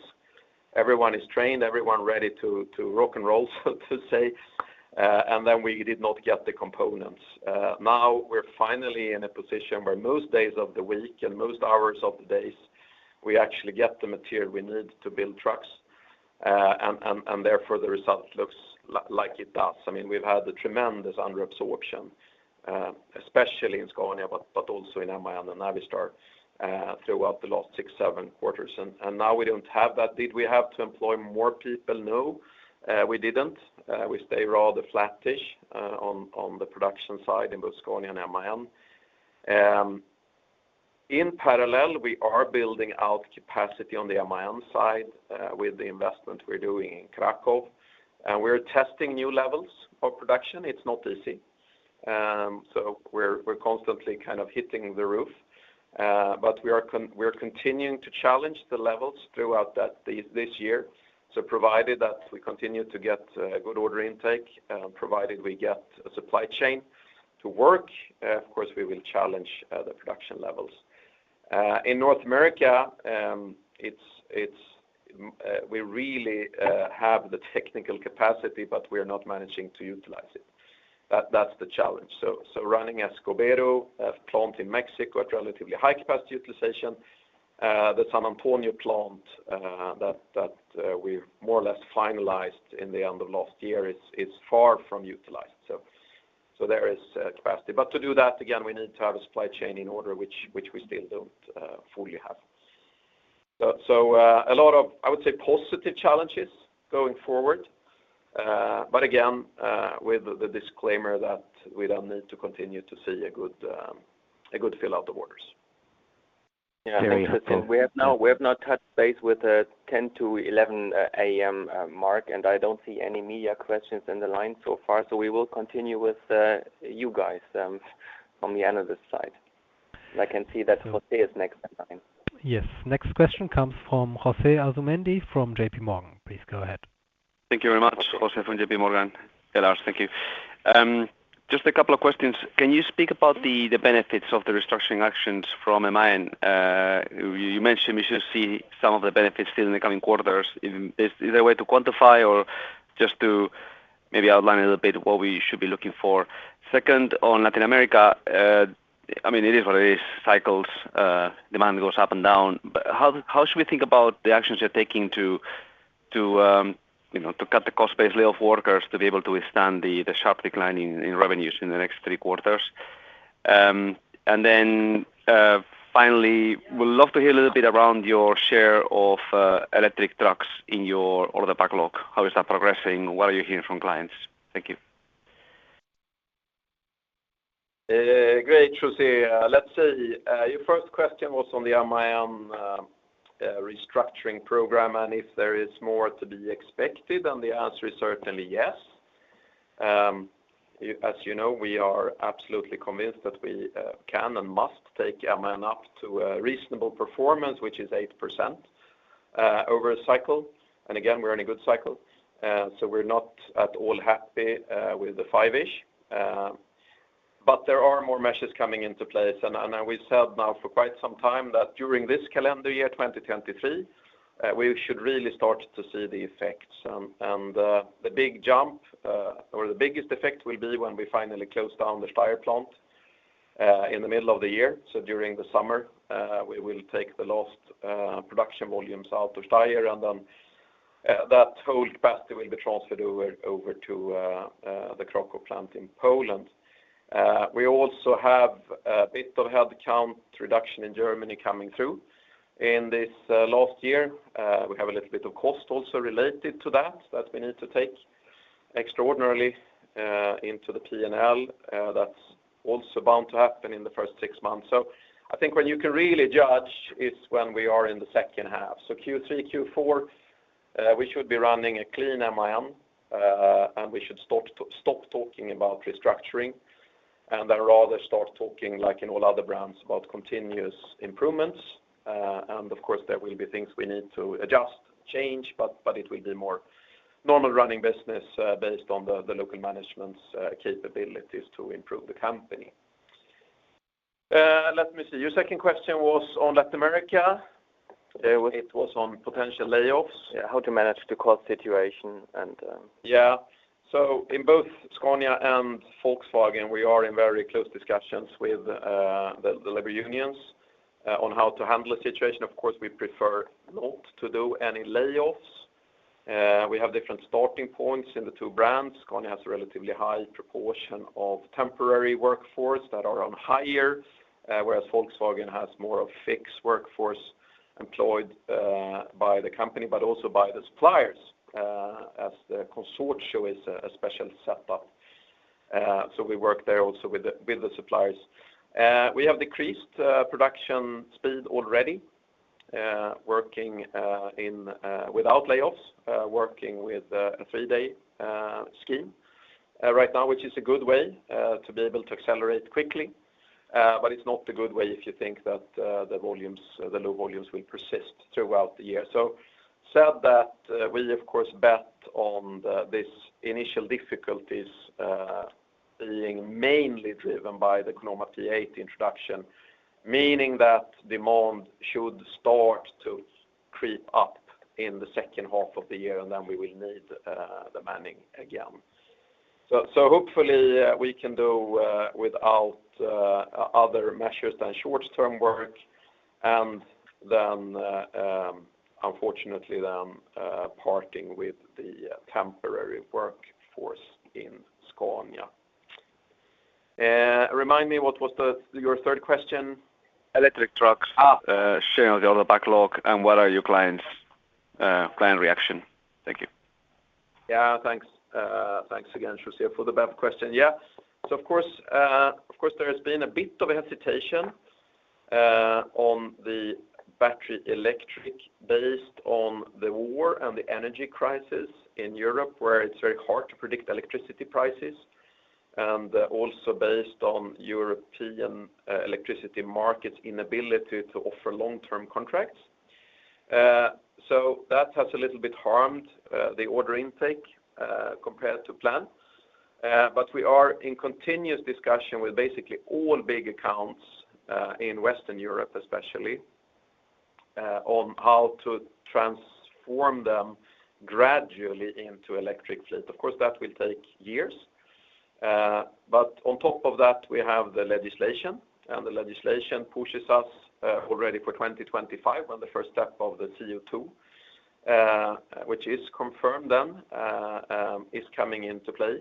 Everyone is trained, everyone ready to rock and roll, so to say, then we did not get the components. Now we're finally in a position where most days of the week and most hours of the days, we actually get the material we need to build trucks. Therefore, the result looks like it does. I mean, we've had a tremendous under absorption, especially in Scania, but also in MAN and Navistar, throughout the last six, seven quarters. Now we don't have that. Did we have to employ more people? No, we didn't. We stay rather flattish on the production side in both Scania and MAN. In parallel, we are building out capacity on the MAN side, with the investment we're doing in Kraków. We're testing new levels of production. It's not easy. We're constantly kind of hitting the roof, but we are continuing to challenge the levels throughout that this year. Provided that we continue to get good order intake, provided we get a supply chain to work, of course, we will challenge the production levels. In North America, it's we really have the technical capacity, but we are not managing to utilize it. That's the challenge. Running Escobedo plant in Mexico at relatively high capacity utilization. The San Antonio plant, that we've more or less finalized in the end of last year is far from utilized. There is capacity. To do that, again, we need to have a supply chain in order which we still don't fully have. A lot of, I would say, positive challenges going forward, but again, with the disclaimer that we now need to continue to see a good fill of the orders. Yeah. We have now touched base with 10:00 A.M.-11:00 A.M. mark. I don't see any media questions in the line so far. We will continue with you guys from the analyst side. I can see that José is next in line. Yes. Next question comes from José Asumendi from JPMorgan. Please go ahead. Thank you very much, José from JPMorgan. Hey, Lars. Thank you. Just a couple of questions. Can you speak about the benefits of the restructuring actions from MAN? You mentioned we should see some of the benefits still in the coming quarters. Is there a way to quantify or just to maybe outline a little bit what we should be looking for? Second, on Latin America, I mean, it is what it is, cycles, demand goes up and down. How should we think about the actions you're taking to, you know, to cut the cost base, lay off workers to be able to withstand the sharp decline in revenues in the next three quarters? Finally, would love to hear a little bit around your share of electric trucks in your order backlog. How is that progressing? What are you hearing from clients? Thank you. Great, José. Let's see. Your first question was on the MAN restructuring program and if there is more to be expected, and the answer is certainly yes. As you know, we are absolutely convinced that we can and must take MAN up to a reasonable performance, which is 8% over a cycle. Again, we're in a good cycle. So we're not at all happy with the five-ish. But there are more measures coming into place. We've said now for quite some time that during this calendar year, 2023, we should really start to see the effects. And the big jump, or the biggest effect will be when we finally close down the Steyr plant in the middle of the year. During the summer, we will take the last production volumes out of Steyr, and that whole capacity will be transferred over to the Kraków plant in Poland. We also have a bit of headcount reduction in Germany coming through. In this last year, we have a little bit of cost also related to that we need to take extraordinarily into the P&L. That's also bound to happen in the first six months. I think when you can really judge is when we are in the second half. Q3, Q4. We should be running a clean MAN, and we should stop talking about restructuring and then rather start talking like in all other brands about continuous improvements. Of course, there will be things we need to adjust, change, but it will be more normal running business, based on the local management's capabilities to improve the company. Let me see. Your second question was on Latin America. It was on potential layoffs. Yeah, how to manage the cost situation and. Yeah. In both Scania and Volkswagen, we are in very close discussions with the labor unions on how to handle the situation. Of course, we prefer not to do any layoffs. We have different starting points in the two brands. Scania has a relatively high proportion of temporary workforce that are on hire, whereas Volkswagen has more of fixed workforce employed by the company, but also by the suppliers, as the consortium is a special set up. We work there also with the suppliers. We have decreased production speed already, working without layoffs, working with a three-day scheme right now, which is a good way to be able to accelerate quickly. It's not a good way if you think that the volumes, the low volumes will persist throughout the year. Said that, we of course bet on this initial difficulties being mainly driven by the CONAMA P8 introduction, meaning that demand should start to creep up in the second half of the year, and then we will need the manning again. Hopefully, we can do without other measures than short-term work. Unfortunately, parting with the temporary workforce in Scania. Remind me, what was your third question? Electric trucks. Ah. Sharing of the other backlog, and what are your client's, client reaction? Thank you. Yeah, thanks. Thanks again, José, for the BEV question. Yeah. Of course, of course, there has been a bit of hesitation on the battery electric based on the war and the energy crisis in Europe, where it's very hard to predict electricity prices, and also based on European electricity market's inability to offer long-term contracts. That has a little bit harmed the order intake compared to plan. We are in continuous discussion with basically all big accounts in Western Europe, especially, on how to transform them gradually into electric fleet. Of course, that will take years. On top of that, we have the legislation, the legislation pushes us already for 2025 on the first step of the CO₂, which is confirmed then, is coming into play.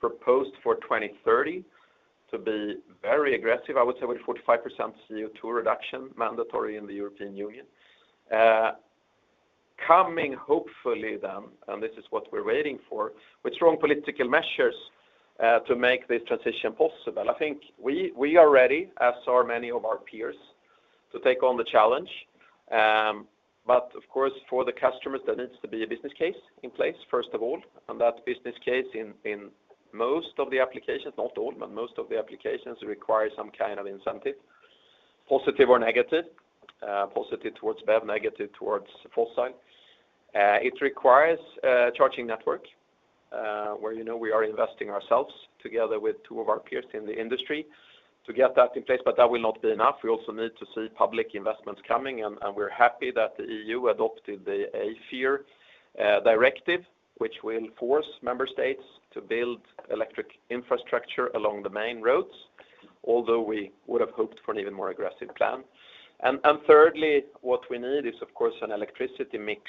Proposed for 2030 to be very aggressive, I would say, with a 45% CO₂ reduction mandatory in the European Union. Coming hopefully then, and this is what we're waiting for, with strong political measures to make this transition possible. I think we are ready, as are many of our peers, to take on the challenge. Of course, for the customers, there needs to be a business case in place, first of all. That business case in most of the applications, not all, but most of the applications require some kind of incentive, positive or negative, positive towards BEV, negative towards fossil. It requires a charging network, you know, we are investing ourselves together with two of our peers in the industry to get that in place, but that will not be enough. We also need to see public investments coming. We're happy that the EU adopted the AFIR directive, which will force member states to build electric infrastructure along the main roads, although we would have hoped for an even more aggressive plan. Thirdly, what we need is, of course, an electricity mix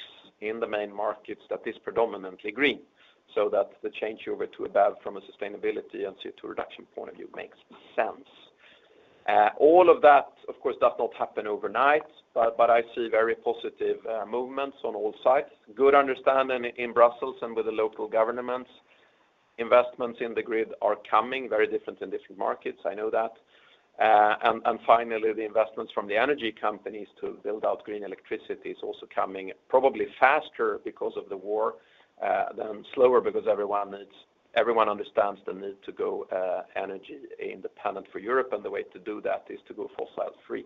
in the main markets that is predominantly green, so that the changeover to a BEV from a sustainability and CO₂ reduction point of view makes sense. All of that, of course, does not happen overnight, but I see very positive movements on all sides. Good understanding in Brussels and with the local governments. Investments in the grid are coming, very different in different markets, I know that. Finally, the investments from the energy companies to build out green electricity is also coming probably faster because of the war than slower because everyone understands the need to go energy independent for Europe, and the way to do that is to go fossil-free.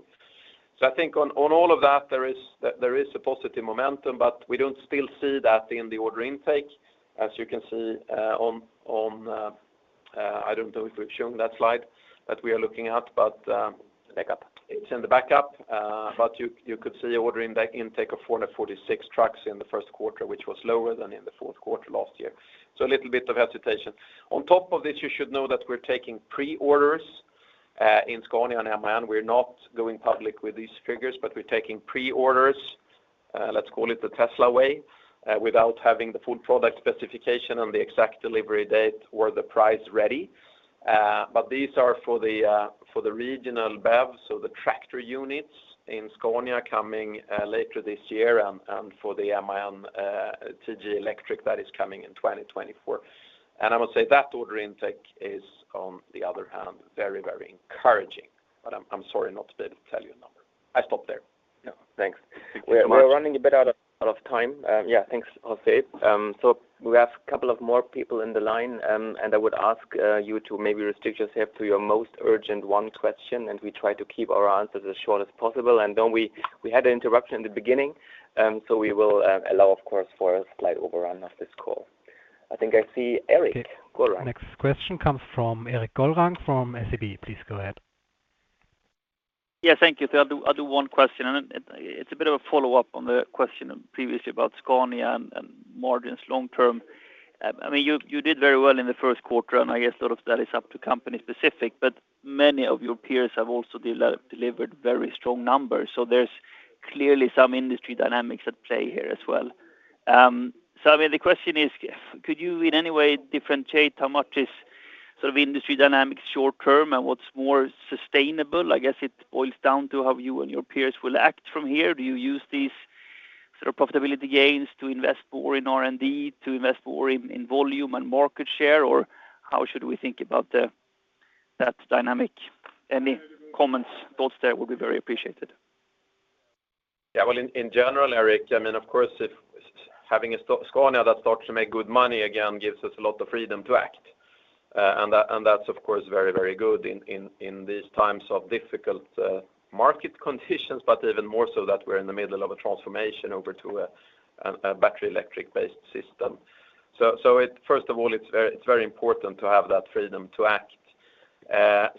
I think on all of that, there is a positive momentum, but we don't still see that in the order intake. As you can see, on I don't know if we've shown that slide that we are looking at. Backup. It's in the backup. You could see order intake of 446 trucks in the first quarter, which was lower than in the fourth quarter last year. A little bit of hesitation. On top of this, you should know that we're taking pre-orders in Scania and MAN. We're not going public with these figures, but we're taking pre-orders, let's call it the Tesla way, without having the full product specification on the exact delivery date or the price ready. These are for the regional BEVs, so the tractor units in Scania coming later this year and for the MAN TG electric that is coming in 2024. I would say that order intake is, on the other hand, very, very encouraging. I'm sorry not to tell you a number. I stop there. Yeah, thanks. Thank you very much. We're running a bit out of time. Yeah, thanks, José. We have a couple of more people in the line, and I would ask you to maybe restrict yourself to your most urgent one question, and we try to keep our answers as short as possible. We had an interruption in the beginning, so we will allow, of course, for a slight overrun of this call. I think I see Erik Golrang. Next question comes from Erik Golrang from SEB. Please go ahead. Yeah, thank you. I'll do one question. It's a bit of a follow-up on the question previously about Scania and margins long term. I mean, you did very well in the first quarter, and I guess a lot of that is up to company specific, but many of your peers have also delivered very strong numbers. There's clearly some industry dynamics at play here as well. I mean, the question is, could you in any way differentiate how much is sort of industry dynamics short term and what's more sustainable? I guess it boils down to how you and your peers will act from here. Do you use these sort of profitability gains to invest more in R&D, to invest more in volume and market share, or how should we think about that dynamic? Any comments, thoughts there will be very appreciated. Yeah. Well, in general, Erik, I mean, of course, if having a Scania that starts to make good money again gives us a lot of freedom to act. And that's of course, very, very good in these times of difficult market conditions, but even more so that we're in the middle of a transformation over to a battery electric-based system. First of all, it's very, it's very important to have that freedom to act.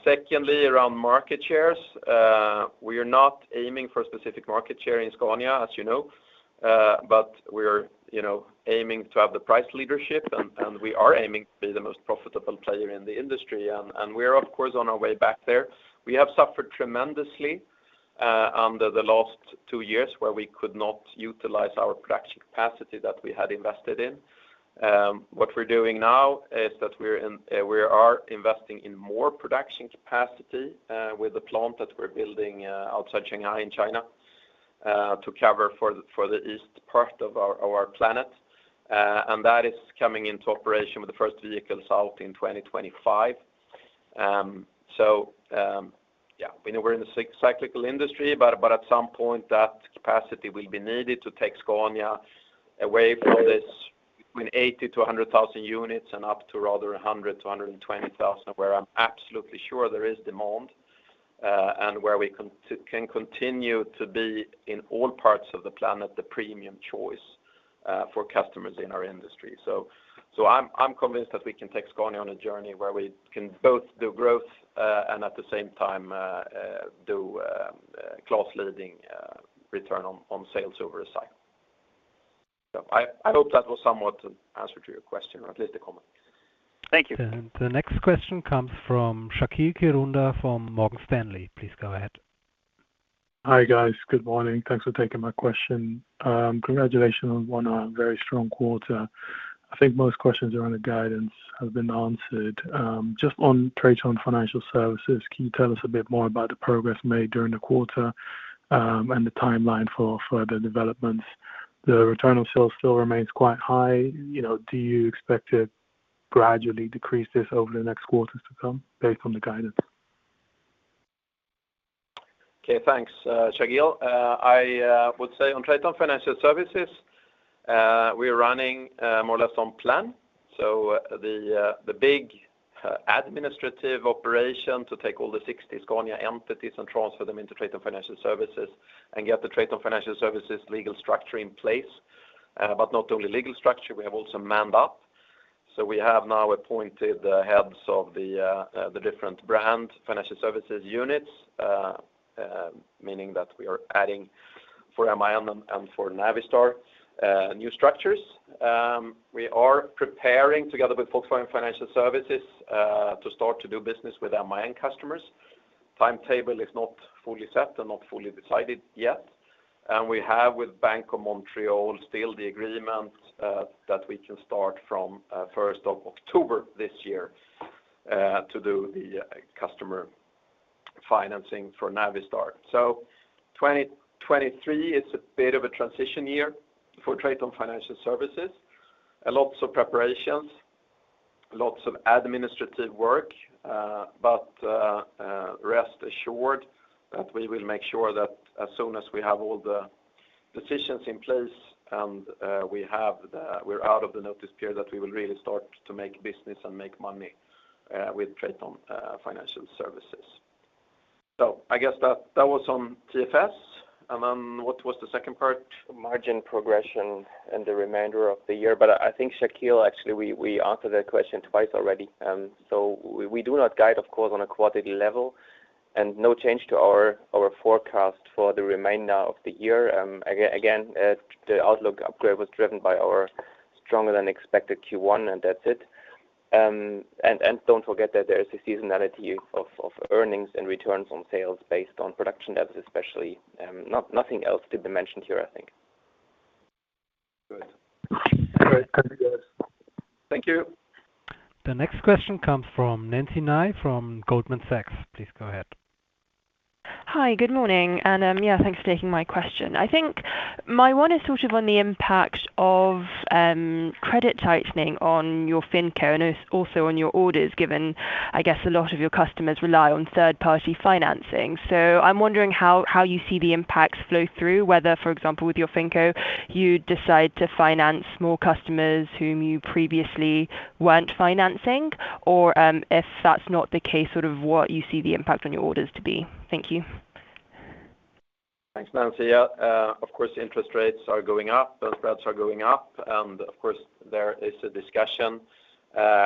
Secondly, around market shares, we are not aiming for a specific market share in Scania, as you know, but we're, you know, aiming to have the price leadership, and we are aiming to be the most profitable player in the industry. We are, of course, on our way back there. We have suffered tremendously, under the last two years where we could not utilize our production capacity that we had invested in. What we're doing now is that we are investing in more production capacity with the plant that we're building outside Shanghai in China to cover for the east part of our planet. That is coming into operation with the first vehicles out in 2025. Yeah, we know we're in the cyclical industry, but at some point that capacity will be needed to take Scania away from this between 80,000-100,000 units and up to rather 100,000-120,000 units, where I'm absolutely sure there is demand, and where we can continue to be in all parts of the planet, the premium choice, for customers in our industry. I'm convinced that we can take Scania on a journey where we can both do growth, and at the same time, do, class-leading, return on sales over a cycle. I hope that was somewhat an answer to your question, or at least a comment. Thank you. The next question comes from Shaqeal Kirunda from Morgan Stanley. Please go ahead. Hi, guys. Good morning. Thanks for taking my question. Congratulations on a very strong quarter. I think most questions around the guidance have been answered. Just on TRATON Financial Services, can you tell us a bit more about the progress made during the quarter and the timeline for further developments? The return on sales still remains quite high. You know, do you expect to gradually decrease this over the next quarters to come based on the guidance? Okay, thanks, Shaqeal. I would say on TRATON Financial Services, we are running more or less on plan. The big administrative operation to take all the 60 Scania entities and transfer them into TRATON Financial Services and get the TRATON Financial Services legal structure in place. Not only legal structure, we have also manned up. We have now appointed the heads of the different brand financial services units, meaning that we are adding for MAN and for Navistar, new structures. We are preparing together with Volkswagen Financial Services to start to do business with our MAN customers. Timetable is not fully set and not fully decided yet. We have with Bank of Montreal still the agreement that we can start from 1st of October this year to do the customer financing for Navistar. 2023 is a bit of a transition year for TRATON Financial Services. Lots of preparations, lots of administrative work, but rest assured that we will make sure that as soon as we have all the decisions in place and we're out of the notice period, that we will really start to make business and make money with TRATON Financial Services. I guess that was on TFS. What was the second part? Margin progression and the remainder of the year. I think, Shaqeal, actually we answered that question twice already. We do not guide, of course, on a quarterly level and no change to our forecast for the remainder of the year. Again, the outlook upgrade was driven by our stronger than expected Q1, and that's it. Don't forget that there is a seasonality of earnings and returns on sales based on production levels, especially. Nothing else to be mentioned here, I think. Good. All right. Thank you, guys. Thank you. The next question comes from Nancy Ni from Goldman Sachs. Please go ahead. Hi, good morning. Yeah, thanks for taking my question. I think my one is sort of on the impact of credit tightening on your FinCo and also on your orders, given, I guess, a lot of your customers rely on third-party financing. I'm wondering how you see the impacts flow through, whether, for example, with your FinCo, you decide to finance more customers whom you previously weren't financing? If that's not the case, sort of what you see the impact on your orders to be. Thank you. Thanks, Nancy. Yeah, of course, interest rates are going up, those rates are going up. Of course, there is a discussion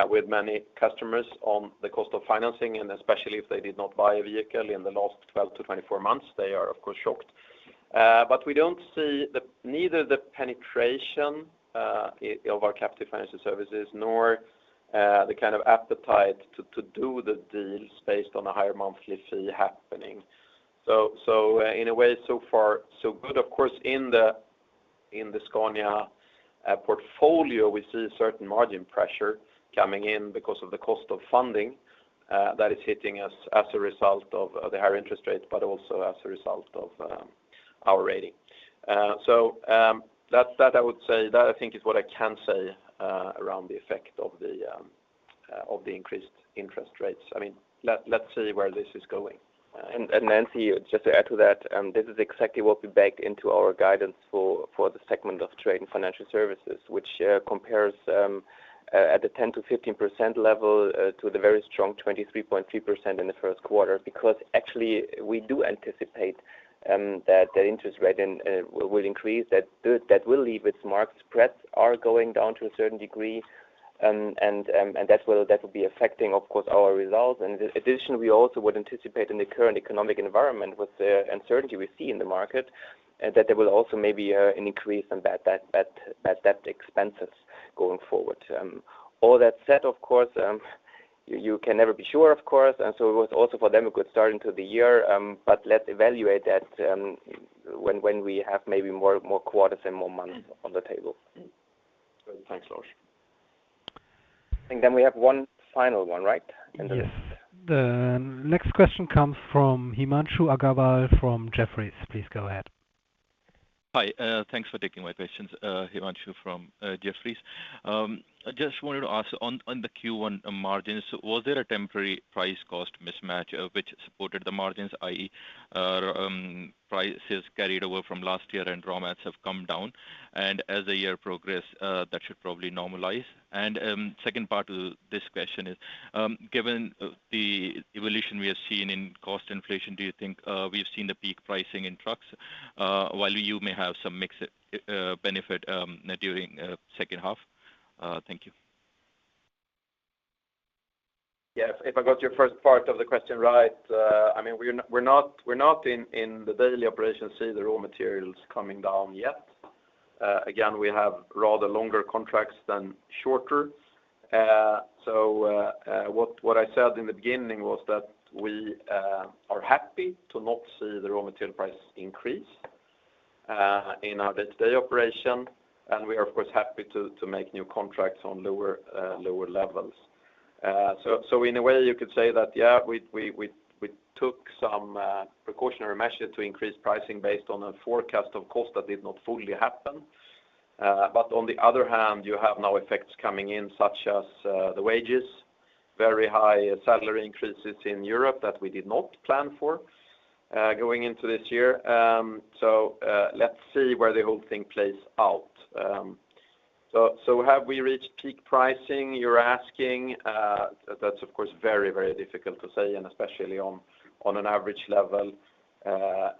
with many customers on the cost of financing. Especially if they did not buy a vehicle in the last 12-24 months, they are of course shocked. We don't see neither the penetration of our captive financial services nor the kind of appetite to do the deals based on a higher monthly fee happening. In a way, so far, so good. Of course, in the, in the Scania portfolio, we see a certain margin pressure coming in because of the cost of funding, that is hitting us as a result of the higher interest rates. Also as a result of our rating. That I would say— That, I think is what I can say, around the effect of the, of the increased interest rates. I mean, let's see where this is going. Nancy, just to add to that, this is exactly what we baked into our guidance for the segment of TRATON Financial Services, which compares at the 10%-15% level to the very strong 23.3% in the first quarter, because actually we do anticipate that the interest rate will increase. That will leave its mark. Spreads are going down to a certain degree, and that will be affecting, of course, our results. In addition, we also would anticipate in the current economic environment with the uncertainty we see in the market, that there will also may be an increase in bad debt expenses going forward. All that said, of course, you can never be sure, of course. It was also for them a good start into the year, but let's evaluate that when we have maybe more quarters and more months on the table. Thanks, Lars. I think then we have one final one, right? The next question comes from Himanshu Agarwal from Jefferies. Please go ahead. Hi. thanks for taking my questions. Himanshu from Jefferies. I just wanted to ask on the Q1 margins, was there a temporary price cost mismatch which supported the margins, i.e. prices carried over from last year and raw mats have come down? As the year progress, that should probably normalize. Second part of this question is given the evolution we have seen in cost inflation, do you think we have seen the peak pricing in trucks while you may have some mix benefit during second half? Thank you. Yes. If I got your first part of the question right, I mean, we're not in the daily operations, see the raw materials coming down yet. Again, we have rather longer contracts than shorter. So, what I said in the beginning was that we are happy to not see the raw material prices increase in our day-to-day operation. We are of course happy to make new contracts on lower levels. So in a way you could say that, yeah, we took some precautionary measure to increase pricing based on a forecast of cost that did not fully happen. On the other hand, you have now effects coming in, such as the wages, very high salary increases in Europe that we did not plan for going into this year. Let's see where the whole thing plays out. Have we reached peak pricing, you're asking? That's of course, very, very difficult to say, and especially on an average level.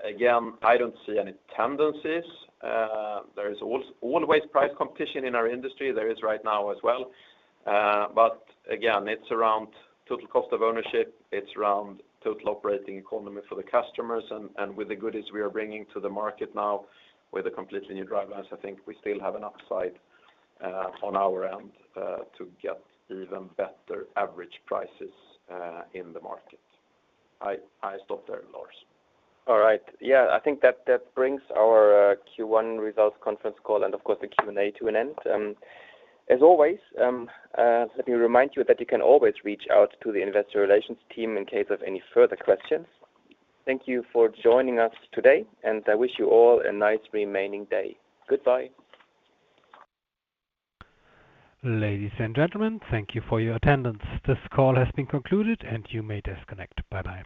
Again, I don't see any tendencies. There is always price competition in our industry. There is right now as well. Again, it's around total cost of ownership. It's around total operating economy for the customers and with the goodies we are bringing to the market now with a completely new drivers, I think we still have an upside on our end to get even better average prices in the market. I stop there, Lars. All right. Yeah. I think that brings our Q1 results conference call and of course, the Q&A to an end. As always, let me remind you that you can always reach out to the investor relations team in case of any further questions. Thank you for joining us today. I wish you all a nice remaining day. Goodbye. Ladies and gentlemen, thank you for your attendance. This call has been concluded and you may disconnect. Bye-bye.